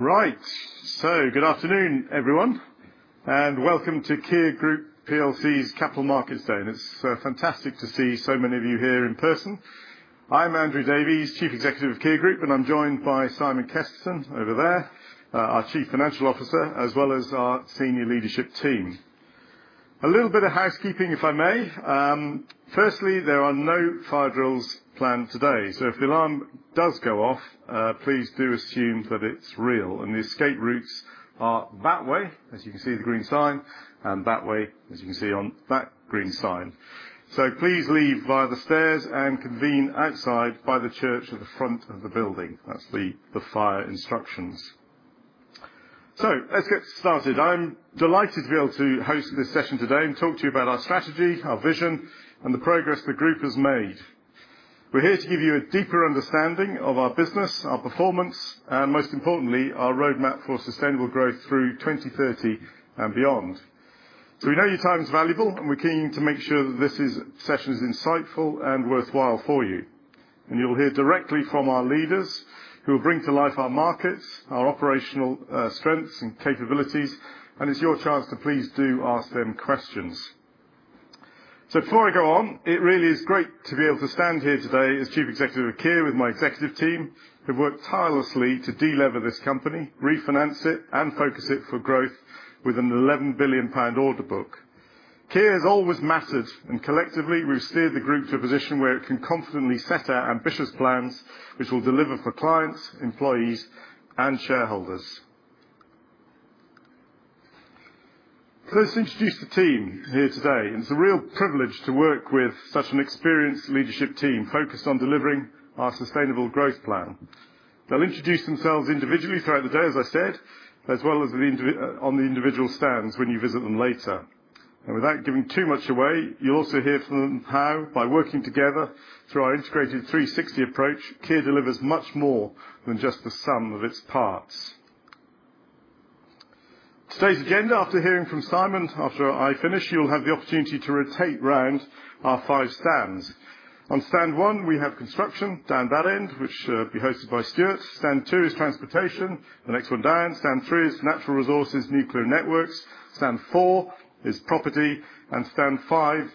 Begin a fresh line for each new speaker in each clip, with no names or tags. Right, good afternoon, everyone, and welcome to Kier Group plc's Capital Markets Day. It's fantastic to see so many of you here in person. I'm Andrew Davies, Chief Executive of Kier Group, and I'm joined by Simon Kesterton over there, our Chief Financial Officer, as well as our Senior Leadership Team. A little bit of housekeeping, if I may. Firstly, there are no fire drills planned today, so if the alarm does go off, please do assume that it's real. The escape routes are that way, as you can see the green sign, and that way, as you can see on that green sign. Please leave via the stairs and convene outside by the church at the front of the building. That's the fire instructions. Let's get started. I'm delighted to be able to host this session today and talk to you about our strategy, our vision, and the progress the group has made. We're here to give you a deeper understanding of our business, our performance, and most importantly, our roadmap for sustainable growth through 2030 and beyond. We know your time is valuable, and we're keen to make sure that this session is insightful and worthwhile for you. You'll hear directly from our leaders who will bring to life our markets, our operational strengths and capabilities, and it's your chance to please do ask them questions. Before I go on, it really is great to be able to stand here today as Chief Executive of Kier with my executive team, who've worked tirelessly to delever this company, refinance it, and focus it for growth with a 11 billion pound order book. Kier has always mattered, and collectively, we've steered the group to a position where it can confidently set out ambitious plans which will deliver for clients, employees, and shareholders. Let's introduce the team here today. It's a real privilege to work with such an experienced leadership team focused on delivering our sustainable growth plan. They'll introduce themselves individually throughout the day, as I said, as well as on the individual stands when you visit them later. Without giving too much away, you'll also hear from them how, by working together through our integrated 360 approach, Kier delivers much more than just the sum of its parts. Today's agenda, after hearing from Simon, after I finish, you'll have the opportunity to rotate around our five stands. On stand one, we have construction down that end, which will be hosted by Stuart. Stand two is transportation. The next one, Diane. Stand three is natural resources, nuclear networks. Stand four is property. Stand five,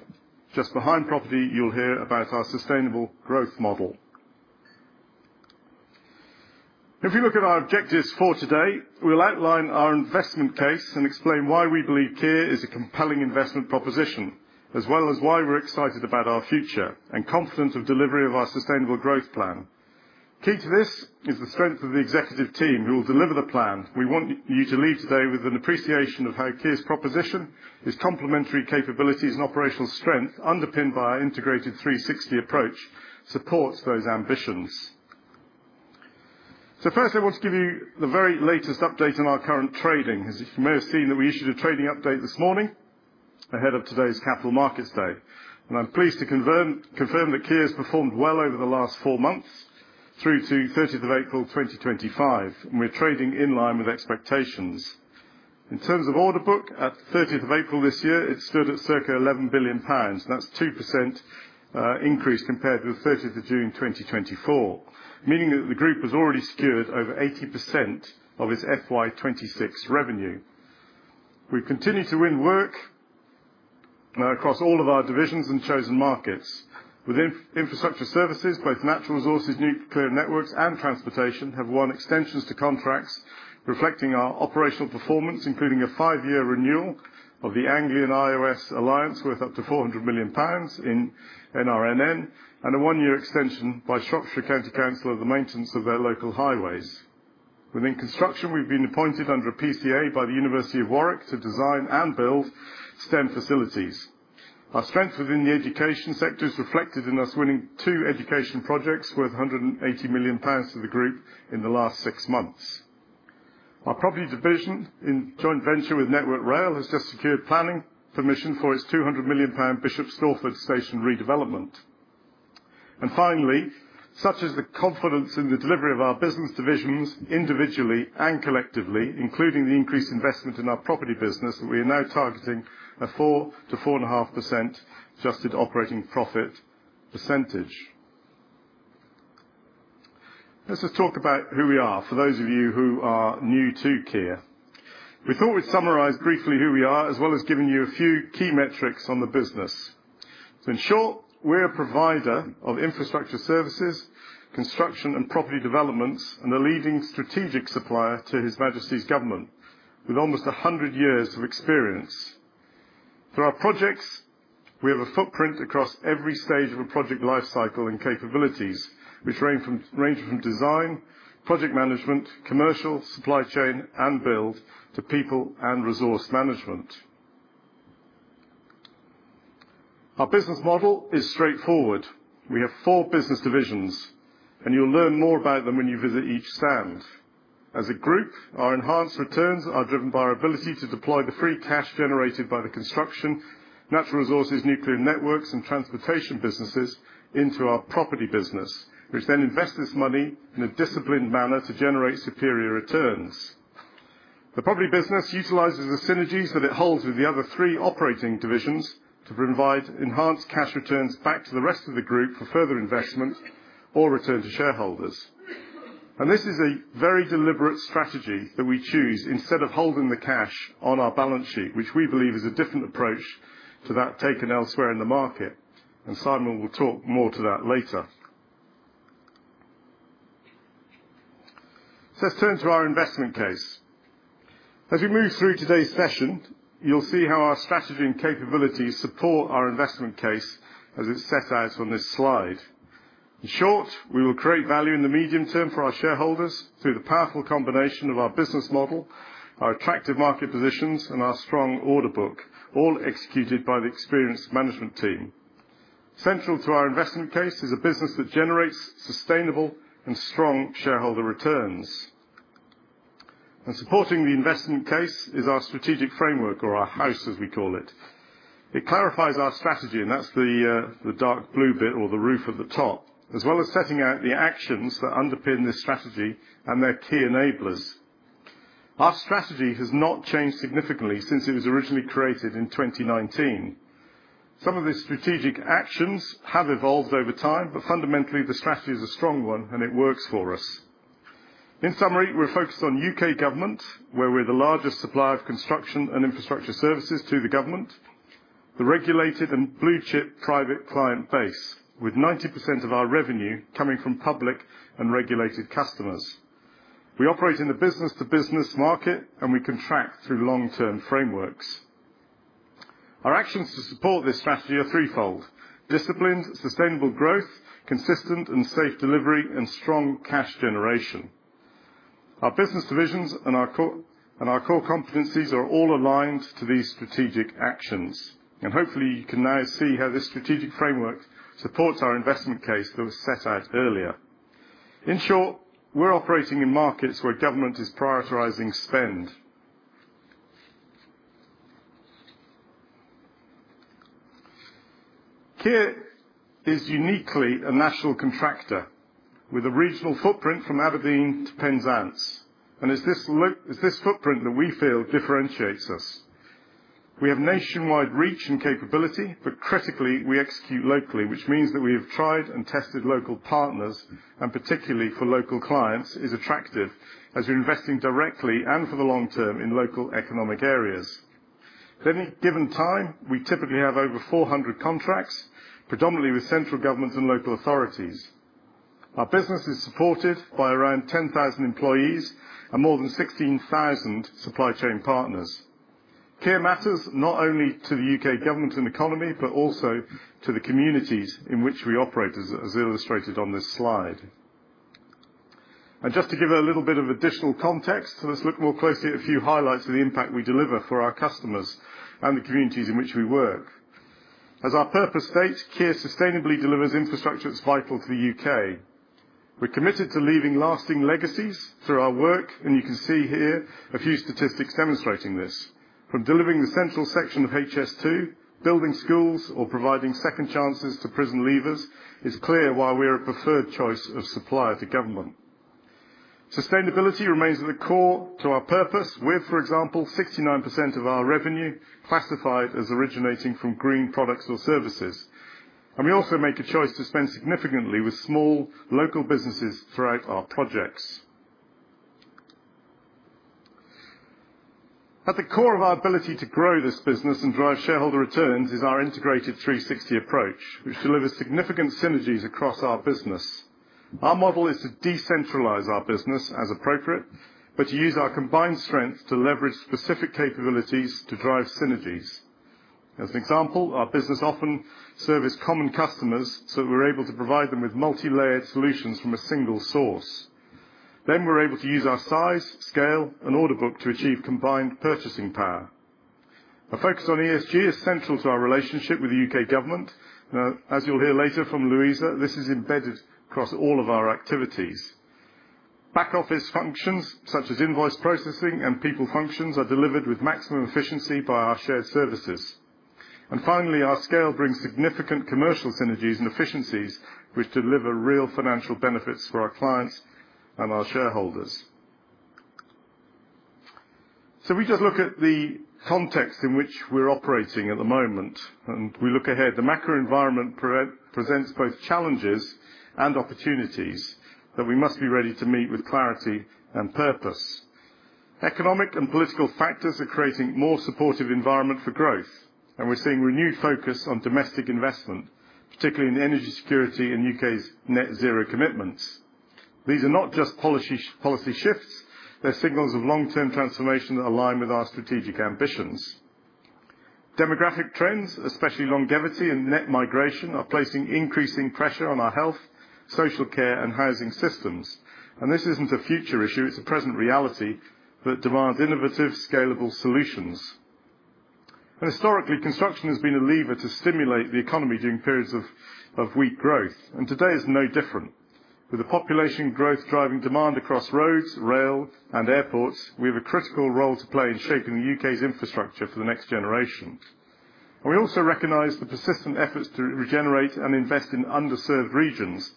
just behind property, you'll hear about our sustainable growth model. If we look at our objectives for today, we'll outline our investment case and explain why we believe Kier is a compelling investment proposition, as well as why we're excited about our future and confident of delivery of our sustainable growth plan. Key to this is the strength of the executive team who will deliver the plan. We want you to leave today with an appreciation of how Kier's proposition, its complementary capabilities, and operational strength, underpinned by our integrated 360 approach, supports those ambitions. First, I want to give you the very latest update on our current trading. As you may have seen, we issued a trading update this morning ahead of today's Capital Markets Day. I'm pleased to confirm that Kier has performed well over the last four months through to 30th of April 2025, and we're trading in line with expectations. In terms of order book, at 30th of April this year, it stood at 11 billion pounds. That's a 2% increase compared with 30th of June 2024, meaning that the group has already secured over 80% of its FY 2026 revenue. We've continued to win work across all of our divisions and chosen markets. With infrastructure services, both natural resources, nuclear networks, and transportation, have won extensions to contracts reflecting our operational performance, including a five-year renewal of the Anglian IOS alliance worth up to 400 million pounds in NRNN and a one-year extension by Shropshire County Council of the maintenance of their local highways. Within construction, we've been appointed under a PCSA by the University of Warwick to design and build STEM facilities. Our strength within the education sector is reflected in us winning two education projects worth 180 million pounds to the group in the last six months. Our property division, in joint venture with Network Rail, has just secured planning permission for its 200 million pound Bishop’s Stortford station redevelopment. Finally, such is the confidence in the delivery of our business divisions individually and collectively, including the increased investment in our property business, we are now targeting a 4%-4.5% adjusted operating profit percentage. Let's just talk about who we are for those of you who are new to Kier. We thought we'd summarize briefly who we are, as well as giving you a few key metrics on the business. In short, we're a provider of infrastructure services, construction, and property developments, and a leading strategic supplier to His Majesty's government with almost 100 years of experience. Through our projects, we have a footprint across every stage of a project life cycle and capabilities, which range from design, project management, commercial, supply chain, and build to people and resource management. Our business model is straightforward. We have four business divisions, and you'll learn more about them when you visit each stand. As a group, our enhanced returns are driven by our ability to deploy the free cash generated by the construction, natural resources, nuclear networks, and transportation businesses into our property business, which then invests this money in a disciplined manner to generate superior returns. The property business utilizes the synergies that it holds with the other three operating divisions to provide enhanced cash returns back to the rest of the group for further investment or return to shareholders. This is a very deliberate strategy that we choose instead of holding the cash on our balance sheet, which we believe is a different approach to that taken elsewhere in the market. Simon will talk more to that later. Let's turn to our investment case. As we move through today's session, you'll see how our strategy and capabilities support our investment case as it's set out on this slide. In short, we will create value in the medium term for our shareholders through the powerful combination of our business model, our attractive market positions, and our strong order book, all executed by the experienced management team. Central to our investment case is a business that generates sustainable and strong shareholder returns. Supporting the investment case is our strategic framework, or our house, as we call it. It clarifies our strategy, and that is the dark blue bit or the roof at the top, as well as setting out the actions that underpin this strategy and their key enablers. Our strategy has not changed significantly since it was originally created in 2019. Some of these strategic actions have evolved over time, but fundamentally, the strategy is a strong one, and it works for us. In summary, we are focused on U.K. government, where we are the largest supplier of construction and infrastructure services to the government, the regulated and blue-chip private client base, with 90% of our revenue coming from public and regulated customers. We operate in a business-to-business market, and we contract through long-term frameworks. Our actions to support this strategy are threefold: disciplined, sustainable growth, consistent and safe delivery, and strong cash generation. Our business divisions and our core competencies are all aligned to these strategic actions. Hopefully, you can now see how this strategic framework supports our investment case that was set out earlier. In short, we are operating in markets where government is prioritizing spend. Kier is uniquely a national contractor with a regional footprint from Aberdeen to Penzance. It is this footprint that we feel differentiates us. We have nationwide reach and capability, but critically, we execute locally, which means that we have tried and tested local partners, and particularly for local clients, this is attractive as we are investing directly and for the long term in local economic areas. At any given time, we typically have over 400 contracts, predominantly with central governments and local authorities. Our business is supported by around 10,000 employees and more than 16,000 supply chain partners. Kier matters not only to the U.K. government and economy, but also to the communities in which we operate, as illustrated on this slide. Just to give a little bit of additional context, let's look more closely at a few highlights of the impact we deliver for our customers and the communities in which we work. As our purpose states, Kier sustainably delivers infrastructure that's vital to the U.K. We're committed to leaving lasting legacies through our work, and you can see here a few statistics demonstrating this. From delivering the central section of HS2, building schools, or providing second chances to prison leavers, it's clear why we're a preferred choice of supplier to government. Sustainability remains at the core to our purpose. We've, for example, 69% of our revenue classified as originating from green products or services. We also make a choice to spend significantly with small local businesses throughout our projects. At the core of our ability to grow this business and drive shareholder returns is our integrated 360 approach, which delivers significant synergies across our business. Our model is to decentralize our business as appropriate, but to use our combined strength to leverage specific capabilities to drive synergies. As an example, our business often services common customers so that we're able to provide them with multi-layered solutions from a single source. We are able to use our size, scale, and order book to achieve combined purchasing power. Our focus on ESG is central to our relationship with the U.K. government. As you'll hear later from Louisa, this is embedded across all of our activities. Back-office functions, such as invoice processing and people functions, are delivered with maximum efficiency by our shared services. Finally, our scale brings significant commercial synergies and efficiencies, which deliver real financial benefits for our clients and our shareholders. If we just look at the context in which we're operating at the moment, and we look ahead. The macro environment presents both challenges and opportunities that we must be ready to meet with clarity and purpose. Economic and political factors are creating a more supportive environment for growth, and we're seeing renewed focus on domestic investment, particularly in energy security and U.K.'s net zero commitments. These are not just policy shifts. They're signals of long-term transformation that align with our strategic ambitions. Demographic trends, especially longevity and net migration, are placing increasing pressure on our health, social care, and housing systems. This isn't a future issue is a present reality that demands innovative, scalable solutions. Historically, construction has been a lever to stimulate the economy during periods of weak growth. Today is no different. With the population growth driving demand across roads, rail, and airports, we have a critical role to play in shaping the U.K.'s infrastructure for the next generation. We also recognize the persistent efforts to regenerate and invest in underserved regions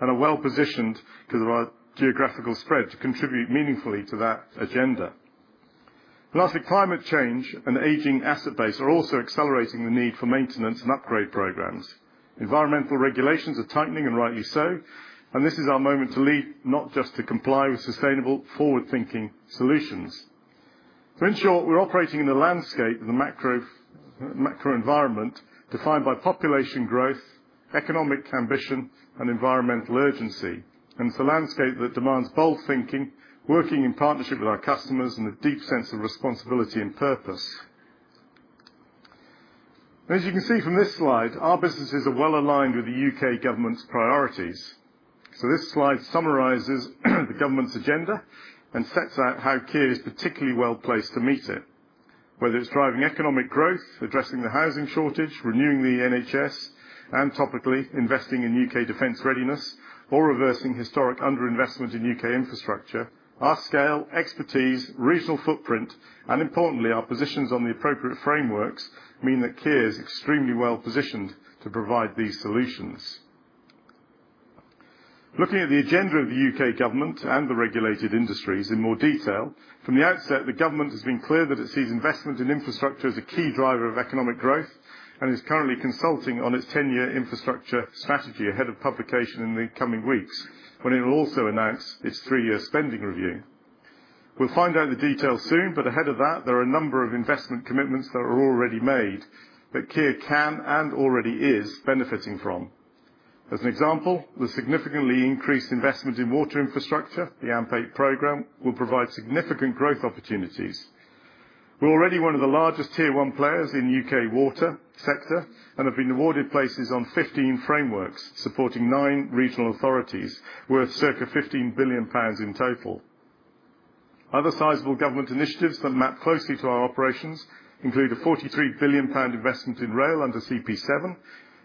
that are well positioned to our geographical spread to contribute meaningfully to that agenda. Lastly, climate change and aging asset base are also accelerating the need for maintenance and upgrade programs. Environmental regulations are tightening, and rightly so. This is our moment to lead, not just to comply with sustainable forward-thinking solutions. In short, we are operating in a landscape of the macro environment defined by population growth, economic ambition, and environmental urgency. It is a landscape that demands bold thinking, working in partnership with our customers, and a deep sense of responsibility and purpose. As you can see from this slide, our businesses are well aligned with the U.K. government's priorities. This slide summarizes the government's agenda and sets out how Kier is particularly well placed to meet it, whether it is driving economic growth, addressing the housing shortage, renewing the NHS, and topically investing in U.K. defense readiness, or reversing historic underinvestment in U.K. infrastructure. Our scale, expertise, regional footprint, and importantly, our positions on the appropriate frameworks mean that Kier is extremely well positioned to provide these solutions. Looking at the agenda of the U.K. government and the regulated industries in more detail, from the outset, the government has been clear that it sees investment in infrastructure as a key driver of economic growth and is currently consulting on its 10-year infrastructure strategy ahead of publication in the coming weeks, when it will also announce its three-year spending review. We'll find out the details soon, but ahead of that, there are a number of investment commitments that are already made that Kier can and already is benefiting from. As an example, the significantly increased investment in water infrastructure, the AMP8 program, will provide significant growth opportunities. We're already one of the largest tier one players in U.K. water sector and have been awarded places on 15 frameworks supporting nine regional authorities worth circa 15 billion pounds in total. Other sizable government initiatives that map closely to our operations include a 43 billion pound investment in rail under CP7,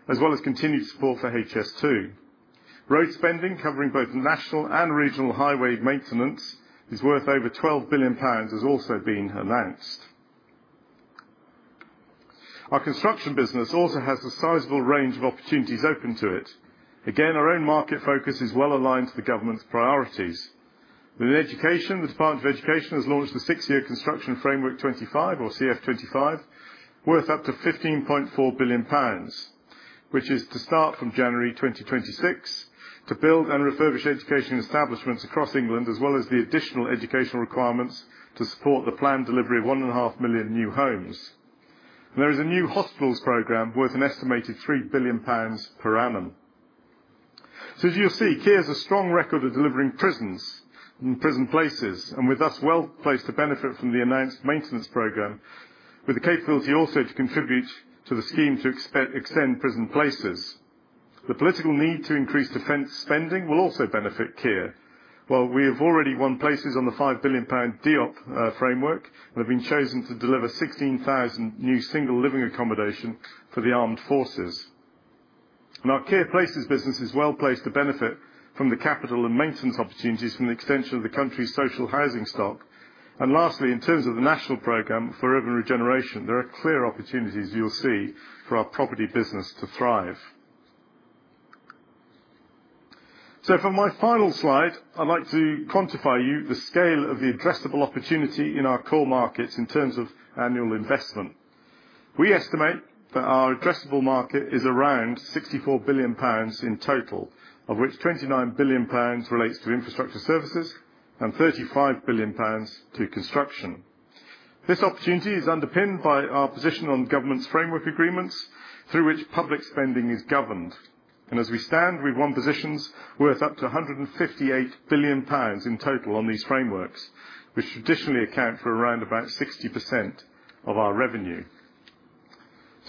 as well as continued support for HS2. Road spending covering both national and regional highway maintenance is worth over 12 billion pounds, has also been announced. Our construction business also has a sizable range of opportunities open to it. Again, our own market focus is well aligned to the government's priorities. Within education, the Department for Education has launched the six-year construction framework 25, or CF25, worth up to 15.4 billion pounds, which is to start from January 2026 to build and refurbish education establishments across England, as well as the additional educational requirements to support the planned delivery of one and a half million new homes. There is a new hospitals program worth an estimated 3 billion pounds per annum. As you'll see, Kier has a strong record of delivering prisons and prison places, and with us, well placed to benefit from the announced maintenance program with the capability also to contribute to the scheme to extend prison places. The political need to increase defense spending will also benefit Kier. We have already won places on the 5 billion pound DIOP framework and have been chosen to deliver 16,000 new single living accommodation for the armed forces. Our Kier Places business is well placed to benefit from the capital and maintenance opportunities from the extension of the country's social housing stock. Lastly, in terms of the national program for urban regeneration, there are clear opportunities you'll see for our property business to thrive. For my final slide, I'd like to quantify for you the scale of the addressable opportunity in our core markets in terms of annual investment. We estimate that our addressable market is around 64 billion pounds in total, of which 29 billion pounds relates to infrastructure services and 35 billion pounds to construction. This opportunity is underpinned by our position on government framework agreements through which public spending is governed. As we stand, we've won positions worth up to 158 billion pounds in total on these frameworks, which traditionally account for around 60% of our revenue.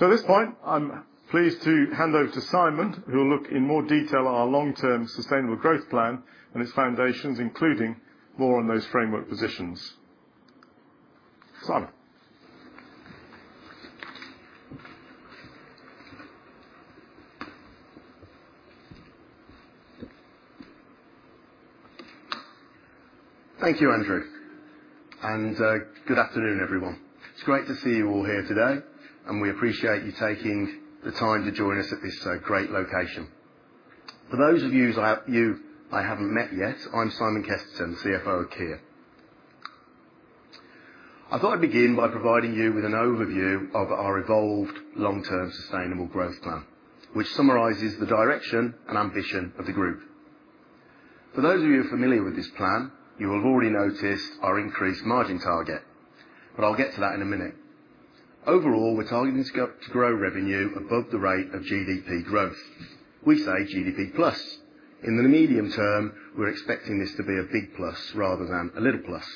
At this point, I'm pleased to hand over to Simon, who will look in more detail at our long-term sustainable growth plan and its foundations, including more on those framework positions.
Thank you, Andrew. And good afternoon, everyone. It's great to see you all here today, and we appreciate you taking the time to join us at this great location. For those of you I haven't met yet, I'm Simon Kesterton, CFO of Kier. I thought I'd begin by providing you with an overview of our evolved long-term sustainable growth plan, which summarizes the direction and ambition of the group. For those of you who are familiar with this plan, you will have already noticed our increased margin target, but I'll get to that in a minute. Overall, we're targeting to grow revenue above the rate of GDP growth. We say GDP plus. In the medium term, we're expecting this to be a big plus rather than a little plus.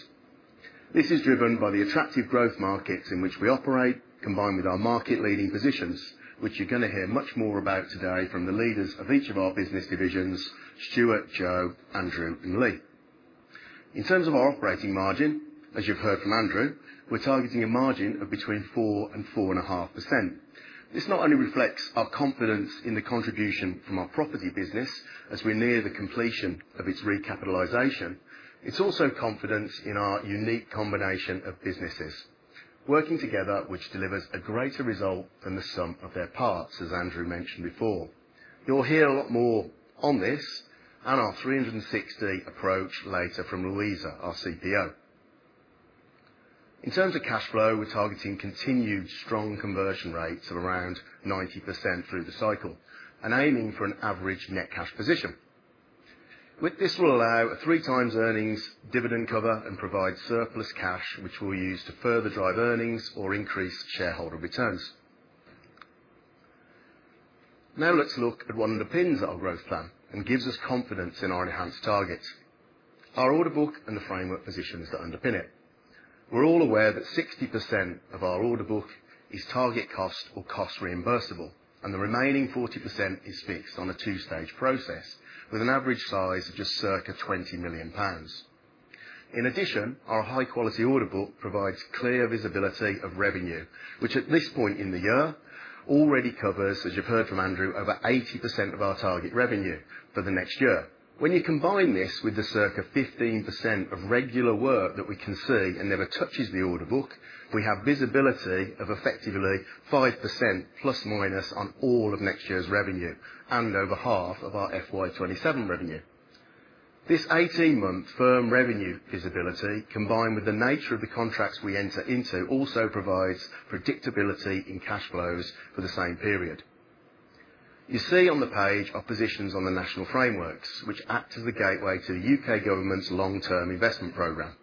This is driven by the attractive growth markets in which we operate, combined with our market-leading positions, which you are going to hear much more about today from the leaders of each of our business divisions: Stuart, Joe, Andrew, and Leigh. In terms of our operating margin, as you have heard from Andrew, we are targeting a margin of between 4%-4.5%. This not only reflects our confidence in the contribution from our property business as we are near the completion of its recapitalization, it is also confidence in our unique combination of businesses working together, which delivers a greater result than the sum of their parts, as Andrew mentioned before. You will hear a lot more on this and our 360 Approach later from Louisa, our CPO. In terms of cash flow, we are targeting continued strong conversion rates of around 90% through the cycle and aiming for an average net cash position. This will allow a 3x earnings dividend cover and provide surplus cash, which we'll use to further drive earnings or increase shareholder returns. Now let's look at what underpins our growth plan and gives us confidence in our enhanced targets: our order book and the framework positions that underpin it. We're all aware that 60% of our order book is target cost or cost reimbursable, and the remaining 40% is fixed on a two-stage process with an average size of just circa 20 million pounds. In addition, our high-quality order book provides clear visibility of revenue, which at this point in the year already covers, as you've heard from Andrew, over 80% of our target revenue for the next year. When you combine this with the circa 15% of regular work that we can see and never touches the order book, we have visibility of effectively 5% plus minus on all of next year's revenue and over half of our FY 2027 revenue. This 18-month firm revenue visibility, combined with the nature of the contracts we enter into, also provides predictability in cash flows for the same period. You see on the page our positions on the national frameworks, which act as the gateway to the U.K. government's long-term investment programme.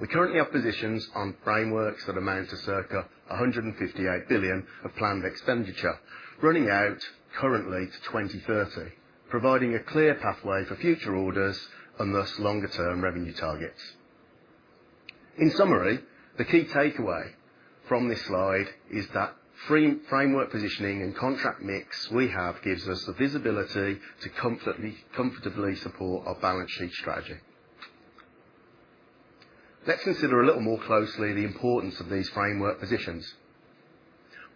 We currently have positions on frameworks that amount to circa 158 billion of planned expenditure, running out currently to 2030, providing a clear pathway for future orders and thus longer-term revenue targets. In summary, the key takeaway from this slide is that framework positioning and contract mix we have gives us the visibility to comfortably support our balance sheet strategy. Let's consider a little more closely the importance of these framework positions.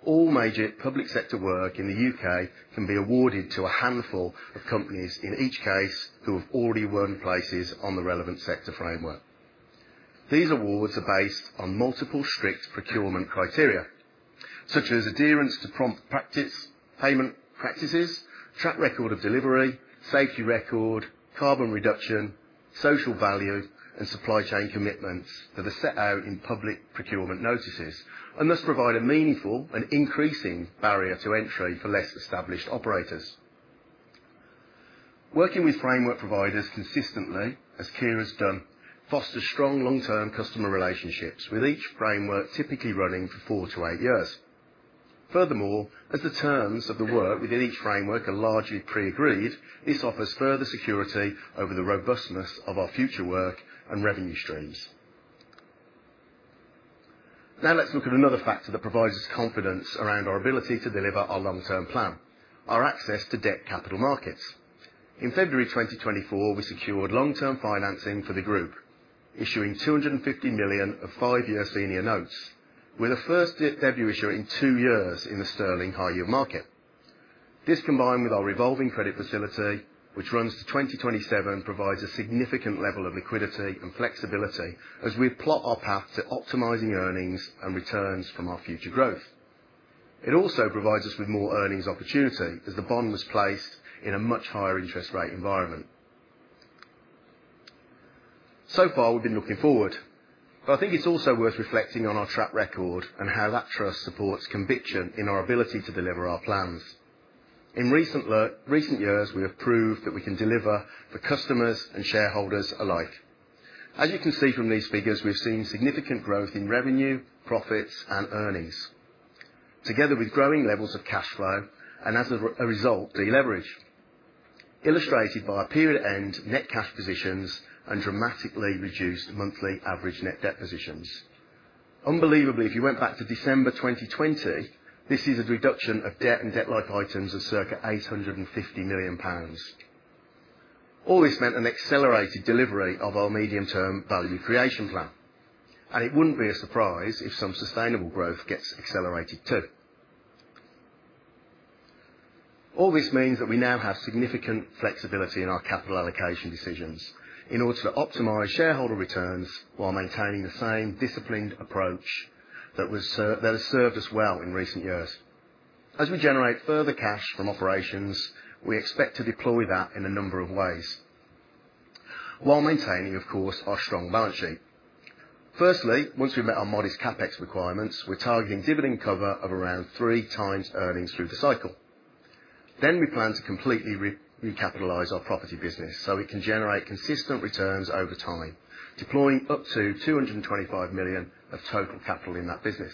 All major public sector work in the U.K. can be awarded to a handful of companies, in each case, who have already won places on the relevant sector framework. These awards are based on multiple strict procurement criteria, such as adherence to prompt payment practices, track record of delivery, safety record, carbon reduction, social value, and supply chain commitments that are set out in public procurement notices, and thus provide a meaningful and increasing barrier to entry for less established operators. Working with framework providers consistently, as Kier has done, fosters strong long-term customer relationships with each framework typically running for four to eight years. Furthermore, as the terms of the work within each framework are largely pre-agreed, this offers further security over the robustness of our future work and revenue streams. Now let's look at another factor that provides us confidence around our ability to deliver our long-term plan: our access to debt capital markets. In February 2024, we secured long-term financing for the group, issuing 250 million of five-year senior notes, with a first debut issue in two years in the sterling high-yield market. This, combined with our revolving credit facility, which runs to 2027, provides a significant level of liquidity and flexibility as we plot our path to optimizing earnings and returns from our future growth. It also provides us with more earnings opportunity as the bond was placed in a much higher interest rate environment. So far, we've been looking forward, but I think it's also worth reflecting on our track record and how that trust supports conviction in our ability to deliver our plans. In recent years, we have proved that we can deliver for customers and shareholders alike. As you can see from these figures, we've seen significant growth in revenue, profits, and earnings, together with growing levels of cash flow and, as a result, deleverage, illustrated by period-end net cash positions and dramatically reduced monthly average net debt positions. Unbelievably, if you went back to December 2020, this is a reduction of debt and debt-like items of 850 million pounds. All this meant an accelerated delivery of our medium-term value creation plan, and it would not be a surprise if some sustainable growth gets accelerated too. All this means that we now have significant flexibility in our capital allocation decisions in order to optimize shareholder returns while maintaining the same disciplined approach that has served us well in recent years. As we generate further cash from operations, we expect to deploy that in a number of ways, while maintaining, of course, our strong balance sheet. Firstly, once we've met our modest CapEx requirements, we're targeting dividend cover of around three times earnings through the cycle. We plan to completely recapitalize our property business so it can generate consistent returns over time, deploying up to 225 million of total capital in that business.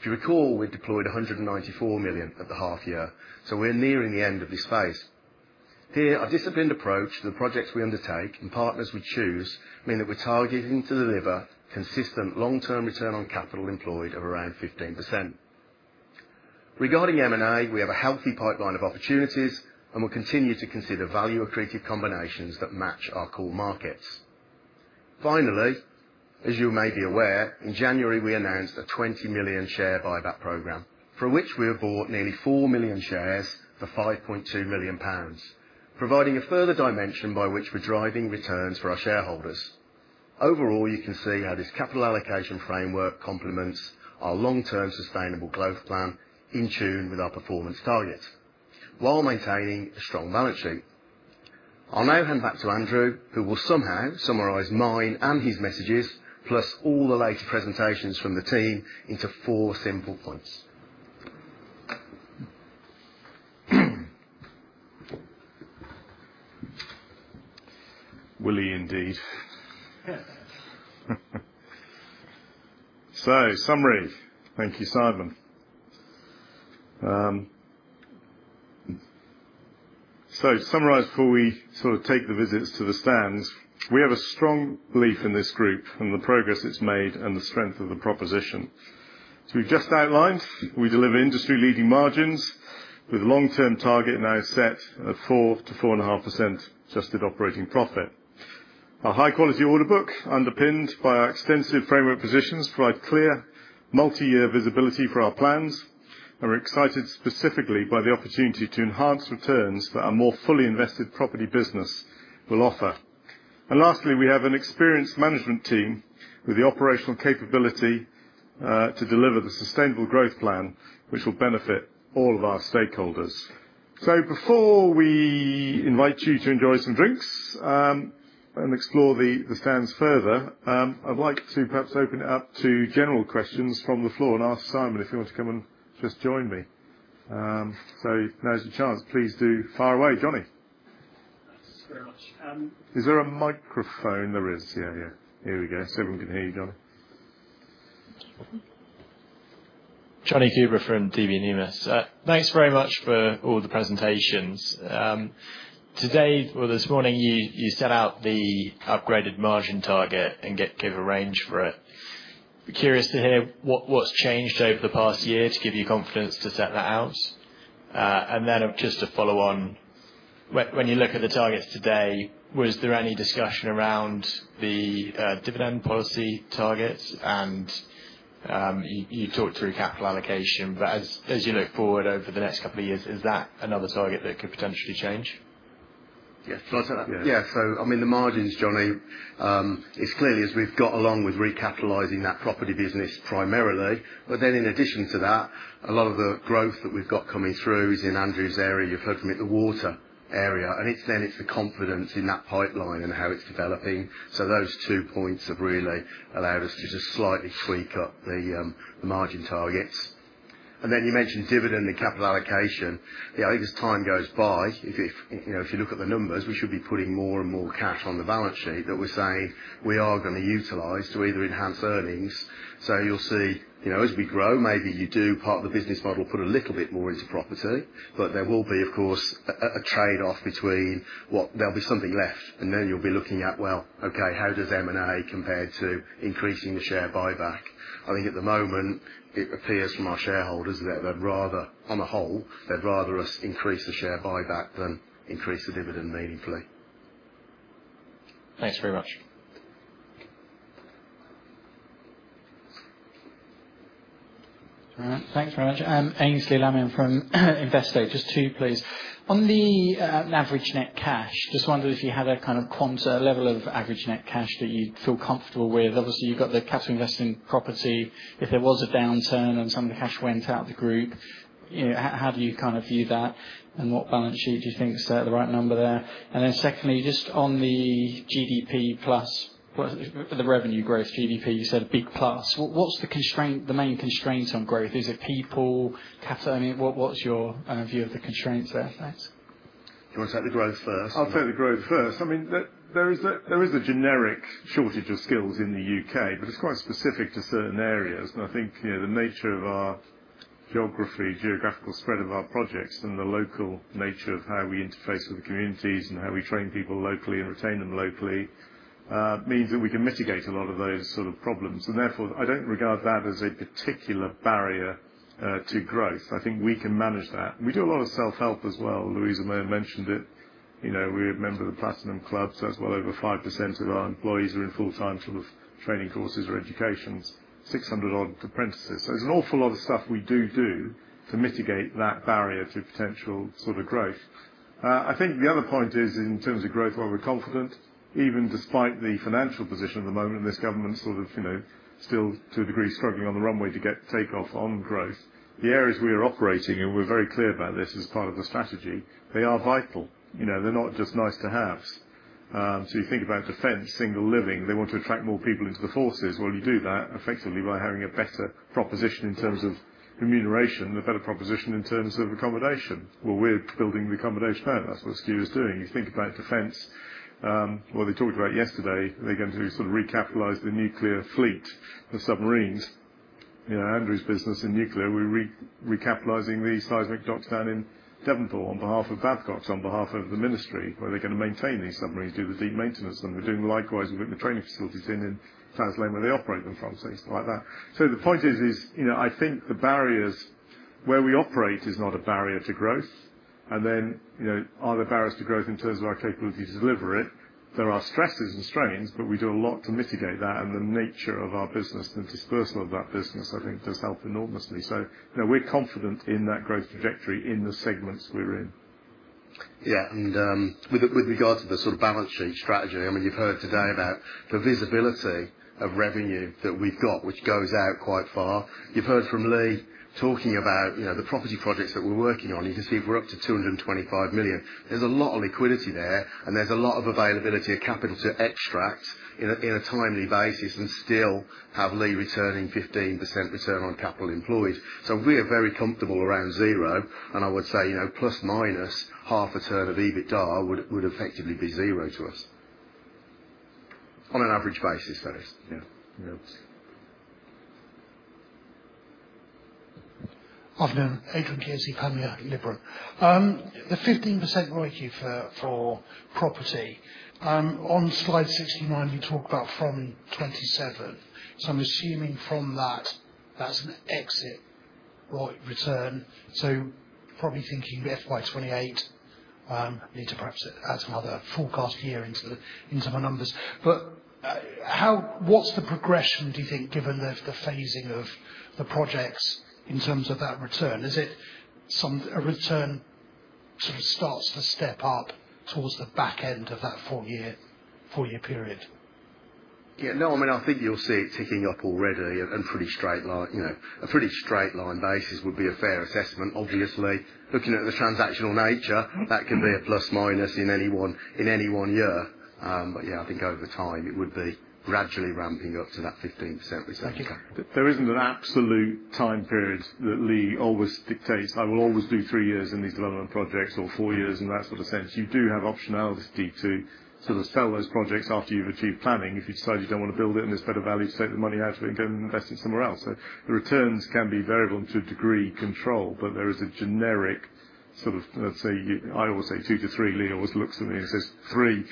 If you recall, we deployed 194 million over the half year, so we're nearing the end of this phase. Here, our disciplined approach to the projects we undertake and partners we choose mean that we're targeting to deliver consistent long-term return on capital employed of around 15%. Regarding M&A, we have a healthy pipeline of opportunities and will continue to consider value-accretive combinations that match our core markets. Finally, as you may be aware, in January, we announced a 20 million share buyback program for which we have bought nearly 4 million shares for 5.2 million pounds, providing a further dimension by which we're driving returns for our shareholders. Overall, you can see how this capital allocation framework complements our long-term sustainable growth plan in tune with our performance targets while maintaining a strong balance sheet. I'll now hand back to Andrew, who will somehow summarize mine and his messages, plus all the later presentations from the team, into four simple points.
Will he indeed. Summary, thank you, Simon. To summarize before we sort of take the visits to the stands. We have a strong belief in this group and the progress it's made and the strength of the proposition. As we've just outlined, we deliver industry-leading margins with a long-term target now set of 4%-4.5% adjusted operating profit. Our high-quality order book, underpinned by our extensive framework positions, provides clear multi-year visibility for our plans and we're excited specifically by the opportunity to enhance returns that our more fully invested property business will offer. Lastly, we have an experienced management team with the operational capability to deliver the sustainable growth plan, which will benefit all of our stakeholders. Before we invite you to enjoy some drinks and explore the stands further, I'd like to perhaps open it up to general questions from the floor and ask Simon if he wants to come and just join me. Now's your chance. Please do fire away, Johnny. Thanks very much. Is there a microphone? There is. Yeah, yeah. Here we go. So everyone can hear you, Johnny.
Johnny Coubrough from DB Numis. Thanks very much for all the presentations. Today, this morning, you set out the upgraded margin target and give a range for it. Curious to hear what's changed over the past year to give you confidence to set that out. Just to follow on, when you look at the targets today, was there any discussion around the dividend policy targets? You talked through capital allocation, but as you look forward over the next couple of years, is that another target that could potentially change?
Yeah, float it up. Yeah. I mean, the margins, Johnny, it's clearly as we've got along with recapitalizing that property business primarily, but then in addition to that, a lot of the growth that we've got coming through is in Andrew's area. You've heard from him, the water area. It is the confidence in that pipeline and how it is developing. Those 2 points have really allowed us to just slightly tweak up the margin targets. You mentioned dividend and capital allocation. I think as time goes by, if you look at the numbers, we should be putting more and more cash on the balance sheet that we are saying we are going to utilize to either enhance earnings. You will see as we grow, maybe you do part of the business model, put a little bit more into property, but there will be, of course, a trade-off between what there will be something left, and then you will be looking at, okay, how does M&A compare to increasing the share buyback? I think at the moment, it appears from our shareholders that they'd rather, on the whole, they'd rather us increase the share buyback than increase the dividend meaningfully.
Thanks very much. All right. Thanks very much. Ainsley Lamming from Invest State. Just two, please. On the average net cash, just wondered if you had a kind of quant level of average net cash that you'd feel comfortable with. Obviously, you've got the capital invested in property. If there was a downturn and some of the cash went out of the group, how do you kind of view that? What balance sheet do you think is the right number there? Then secondly, just on the GDP plus the revenue growth, GDP, you said big plus. What's the main constraints on growth? Is it people, capital? I mean, what's your view of the constraints there? Thanks.
Do you want to take the growth first? I'll take the growth first. I mean, there is a generic shortage of skills in the U.K., but it's quite specific to certain areas. I think the nature of our geography, geographical spread of our projects, and the local nature of how we interface with the communities and how we train people locally and retain them locally means that we can mitigate a lot of those sort of problems. Therefore, I don't regard that as a particular barrier to growth. I think we can manage that. We do a lot of self-help as well. Louisa and Mayor mentioned it. We're a member of the Platinum Club, so that's well over 5% of our employees are in full-time sort of training courses or educations, 600-odd apprentices. There's an awful lot of stuff we do to mitigate that barrier to potential sort of growth. I think the other point is, in terms of growth, where we're confident, even despite the financial position at the moment and this government sort of still, to a degree, struggling on the runway to take off on growth, the areas we are operating, and we're very clear about this as part of the strategy, they are vital. They're not just nice-to-haves. You think about defence, single living, they want to attract more people into the forces. You do that effectively by having a better proposition in terms of remuneration, a better proposition in terms of accommodation. We're building the accommodation out. That's what Kier is doing. You think about defence, what they talked about yesterday, they're going to sort of recapitalise the nuclear fleet of submarines. Andrew's business in nuclear, we're recapitalizing the seismic docks down in Devonport on behalf of Babcock, on behalf of the ministry, where they're going to maintain these submarines, do the deep maintenance. We're doing likewise with the training facilities in Torness where they operate them from, like that. The point is, I think the barriers where we operate is not a barrier to growth. Are there barriers to growth in terms of our capability to deliver it? There are stresses and strains, but we do a lot to mitigate that. The nature of our business, the dispersal of that business, I think does help enormously. We're confident in that growth trajectory in the segments we're in.
Yeah. With regard to the sort of balance sheet strategy, I mean, you've heard today about the visibility of revenue that we've got, which goes out quite far. You've heard from Leigh talking about the property projects that we're working on. You can see we're up to 225 million. There's a lot of liquidity there, and there's a lot of availability of capital to extract in a timely basis and still have Leigh returning 15% return on capital employed. We are very comfortable around zero. I would say plus-minus half a turn of EBITDA would effectively be zero to us on an average basis, that is. Afternoon. Adrian Giese Pammi, Liberum. The 15% royalty for property, on slide 69, you talk about from 27. I'm assuming from that, that's an exit royalty return. Probably thinking FY 2028, need to perhaps add some other forecast year into my numbers. What's the progression, do you think, given the phasing of the projects in terms of that return? Is it a return sort of starts to step up towards the back end of that four-year period?
Yeah. No, I mean, I think you'll see it ticking up already on a pretty straight line basis would be a fair assessment. Obviously, looking at the transactional nature, that can be a plus-minus in any one year. Yeah, I think over time, it would be gradually ramping up to that 15% return.
There is not an absolute time period that Leigh always dictates. I will always do three years in these development projects or four years in that sort of sense. You do have optionality to sort of sell those projects after you've achieved planning. If you decide you do not want to build it and there is better value to take the money out of it and go and invest it somewhere else. The returns can be variable to a degree control, but there is a generic sort of, let's say, I always say two to three. Leigh always looks at me and says, "Three."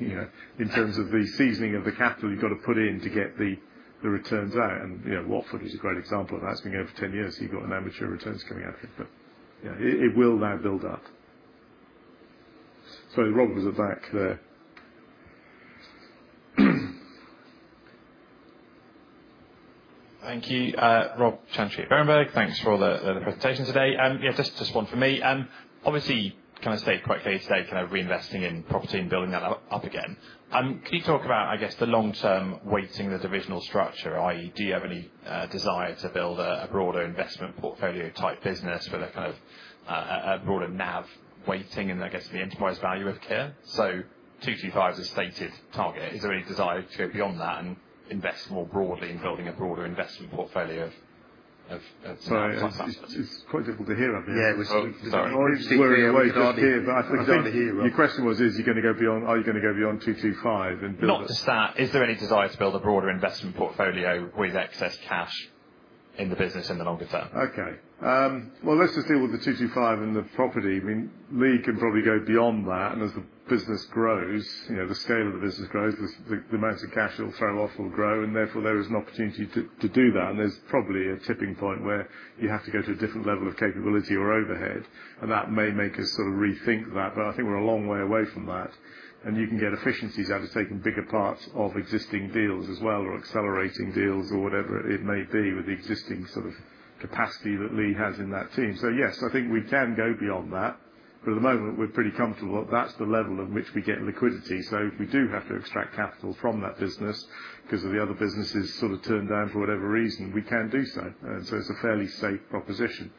In terms of the seasoning of the capital you have got to put in to get the returns out. Watford is a great example of that. It has been over 10 years. You have got an amateur returns coming out of it. Yeah, it will now build up. Sorry, Rob was at the back there.
Thank you. Rob Chantry Berenberg. Thanks for the presentation today. Yeah, just one for me. Obviously, kind of state quite clearly today, kind of reinvesting in property and building that up again. Can you talk about, I guess, the long-term weighting of the divisional structure, i.e., do you have any desire to build a broader investment portfolio type business with a kind of broader NAV weighting and, I guess, the enterprise value of Kier? So 225 is a stated target. Is there any desire to go beyond that and invest more broadly in building a broader investment portfolio of some of the tax assets?
It's quite difficult to hear on this. Yeah. We're in a weird way to start here, but I think your question was, is you're going to go beyond, are you going to go beyond 225 and build?
Not just that. Is there any desire to build a broader investment portfolio with excess cash in the business in the longer term?
Okay. Let's just deal with the 225 and the property. I mean, Leigh can probably go beyond that. As the business grows, the scale of the business grows, the amount of cash it'll throw off will grow, and therefore there is an opportunity to do that. There is probably a tipping point where you have to go to a different level of capability or overhead. That may make us sort of rethink that. I think we're a long way away from that. You can get efficiencies out of taking bigger parts of existing deals as well or accelerating deals or whatever it may be with the existing sort of capacity that Leigh has in that team. Yes, I think we can go beyond that. At the moment, we're pretty comfortable that that's the level at which we get liquidity. If we do have to extract capital from that business because the other businesses sort of turned down for whatever reason, we can do so. It is a fairly safe proposition.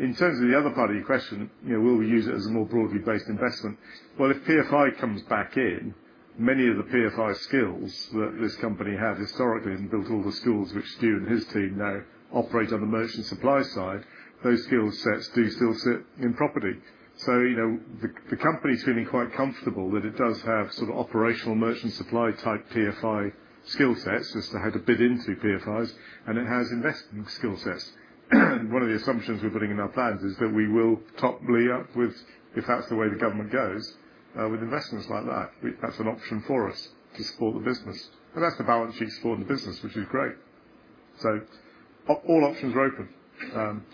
In terms of the other part of your question, will we use it as a more broadly based investment? If PFI comes back in, many of the PFI skills that this company had historically and built all the schools which SKU and his team now operate on the merchant supply side, those skill sets do still sit in property. The company's feeling quite comfortable that it does have sort of operational merchant supply type PFI skill sets as to how to bid into PFIs, and it has investment skill sets. One of the assumptions we're putting in our plans is that we will top Leigh up with, if that's the way the government goes, with investments like that. That's an option for us to support the business. That's the balance sheet supporting the business, which is great. All options are open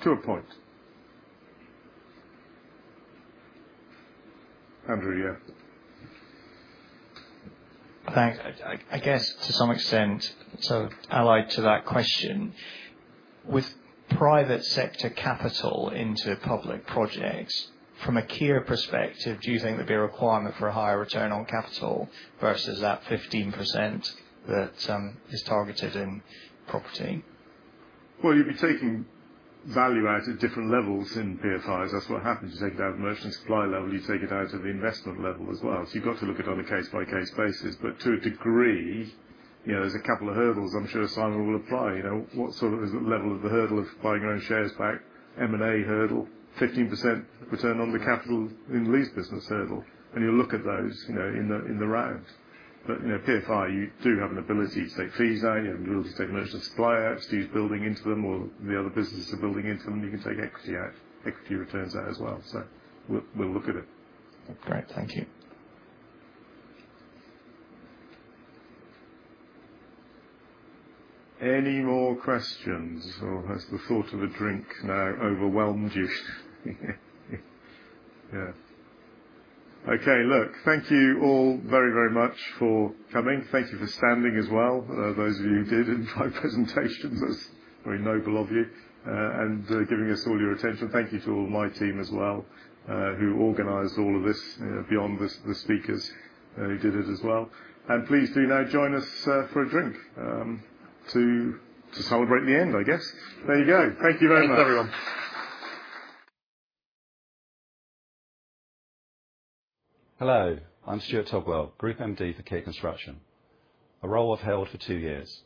to a point. Andrew, yeah. Thanks. I guess to some extent, sort of allied to that question, with private sector capital into public projects, from a Kier perspective, do you think there'd be a requirement for a higher return on capital versus that 15% that is targeted in property? You'd be taking value out at different levels in PFIs. That's what happens. You take it out at the merchant supply level. You take it out at the investment level as well. You've got to look at it on a case-by-case basis. To a degree, there are a couple of hurdles. I am sure Simon will apply. What is the level of the hurdle of buying your own shares back? M&A hurdle, 15% return on the capital in Leigh's business hurdle. You will look at those in the round. PFI, you do have an ability to take fees out. You have an ability to take merchant supply out, SKUs building into them, or the other businesses are building into them. You can take equity out, equity returns out as well. We will look at it. Great. Thank you. Any more questions? Or has the thought of a drink now overwhelmed you? Yeah. Okay. Look, thank you all very, very much for coming. Thank you for standing as well, those of you who did in my presentations. That is very noble of you, and giving us all your attention. Thank you to all my team as well, who organized all of this beyond the speakers who did it as well. Please do now join us for a drink to celebrate the end, I guess. There you go. Thank you very much, everyone.
Hello. I'm Stuart Togwell, Group MD for Kier Construction. A role I've held for two years.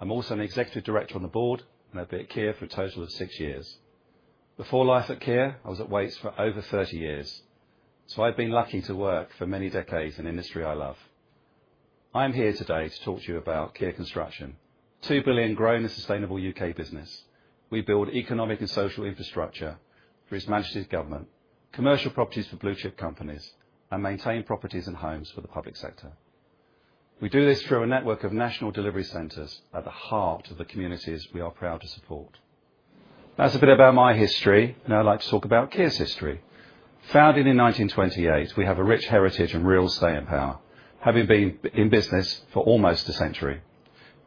I'm also an executive director on the board and have been at Kier for a total of six years. Before life at Kier, I was at Wait for over 30 years. So I've been lucky to work for many decades in an industry I love. I'm here today to talk to you about Kier Construction, a 2 billion growing and sustainable U.K. business. We build economic and social infrastructure for its Manchester government, commercial properties for blue-chip companies, and maintain properties and homes for the public sector. We do this through a network of national delivery centers at the heart of the communities we are proud to support. That is a bit about my history. Now I would like to talk about Kier's history. Founded in 1928, we have a rich heritage and real estate empire, having been in business for almost a century.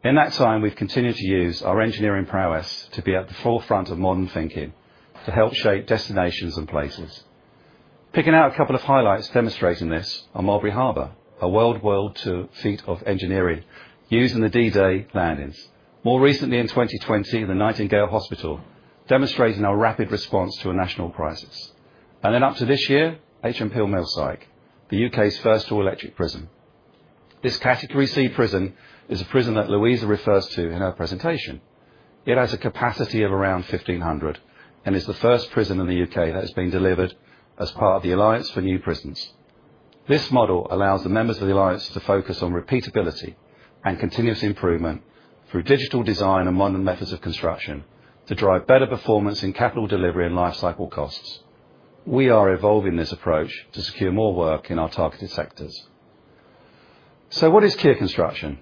In that time, we have continued to use our engineering prowess to be at the forefront of modern thinking to help shape destinations and places. Picking out a couple of highlights demonstrating this are Mulberry Harbour, a world-renowned feat of engineering used in the D-Day landings, more recently in 2020, the Nightingale Hospital, demonstrating our rapid response to a national crisis. Up to this year, HMP Millsike, the U.K.'s first all-electric prison. This category C prison is a prison that Louise refers to in her presentation. It has a capacity of around 1,500 and is the first prison in the U.K. that has been delivered as part of the Alliance for New Prisons. This model allows the members of the Alliance to focus on repeatability and continuous improvement through digital design and modern methods of construction to drive better performance in capital delivery and life cycle costs. We are evolving this approach to secure more work in our targeted sectors. What is Kier Construction?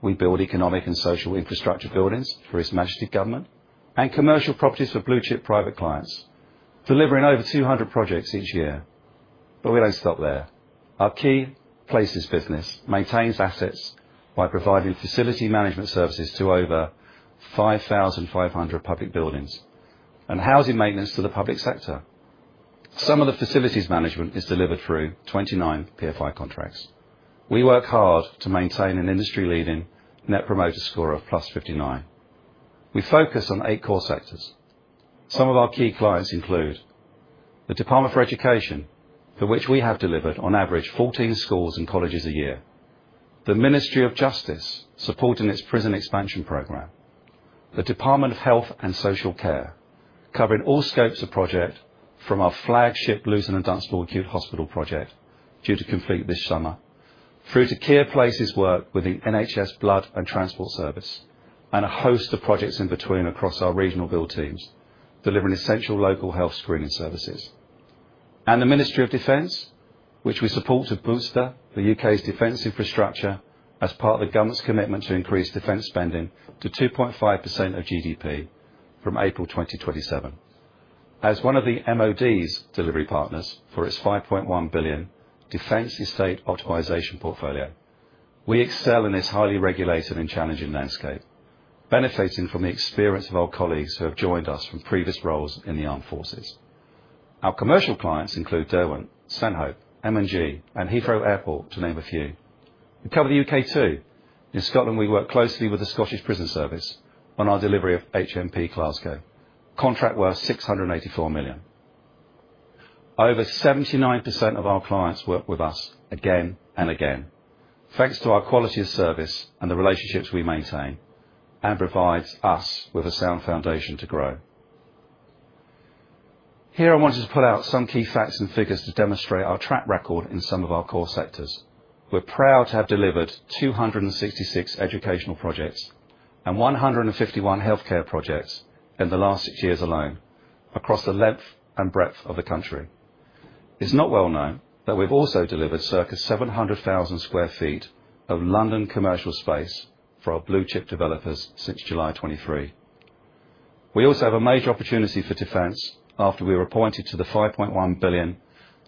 We build economic and social infrastructure buildings for its Manchester government and commercial properties for blue-chip private clients, delivering over 200 projects each year. We do not stop there. Our Kier Places business maintains assets by providing facility management services to over 5,500 public buildings and housing maintenance to the public sector. Some of the facilities management is delivered through 29 PFI contracts. We work hard to maintain an industry-leading net promoter score of +59. We focus on eight core sectors. Some of our key clients include the Department for Education, for which we have delivered on average 14 schools and colleges a year, the Ministry of Justice supporting its prison expansion program, the Department of Health and Social Care, covering all scopes of project from our flagship Luton and Dunstable Acute Hospital project due to complete this summer, through to Kier Places work with the NHS Blood and Transport Service, and a host of projects in between across our regional build teams, delivering essential local health screening services. The Ministry of Defence, which we support to boost the U.K.'s defence infrastructure as part of the government's commitment to increase defence spending to 2.5% of GDP from April 2027. As one of the MOD's delivery partners for its 5.1 billion defence estate optimisation portfolio, we excel in this highly regulated and challenging landscape, benefiting from the experience of our colleagues who have joined us from previous roles in the armed forces. Our commercial clients include Derwent, St Hope, M&G, and Heathrow Airport, to name a few. We cover the U.K. too. In Scotland, we work closely with the Scottish Prison Service on our delivery of HMP Glasgow, contract worth 684 million. Over 79% of our clients work with us again and again, thanks to our quality of service and the relationships we maintain, and provides us with a sound foundation to grow. Here, I wanted to pull out some key facts and figures to demonstrate our track record in some of our core sectors. We're proud to have delivered 266 educational projects and 151 healthcare projects in the last six years alone across the length and breadth of the country. It's not well known that we've also delivered circa 700,000 sq ft of London commercial space for our blue-chip developers since July 2023. We also have a major opportunity for defense after we were appointed to the 5.1 billion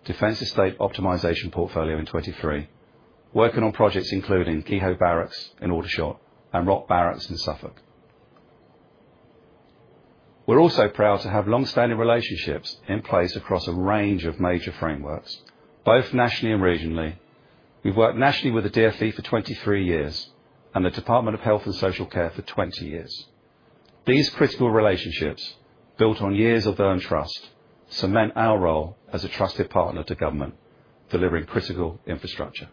defense estate optimization portfolio in 2023, working on projects including Kehoe Barracks in Aldershot and Rock Barracks in Suffolk. We're also proud to have long-standing relationships in place across a range of major frameworks, both nationally and regionally. We've worked nationally with the Department for Education for 23 years and the Department of Health and Social Care for 20 years. These critical relationships, built on years of earned trust, cement our role as a trusted partner to government, delivering critical infrastructure.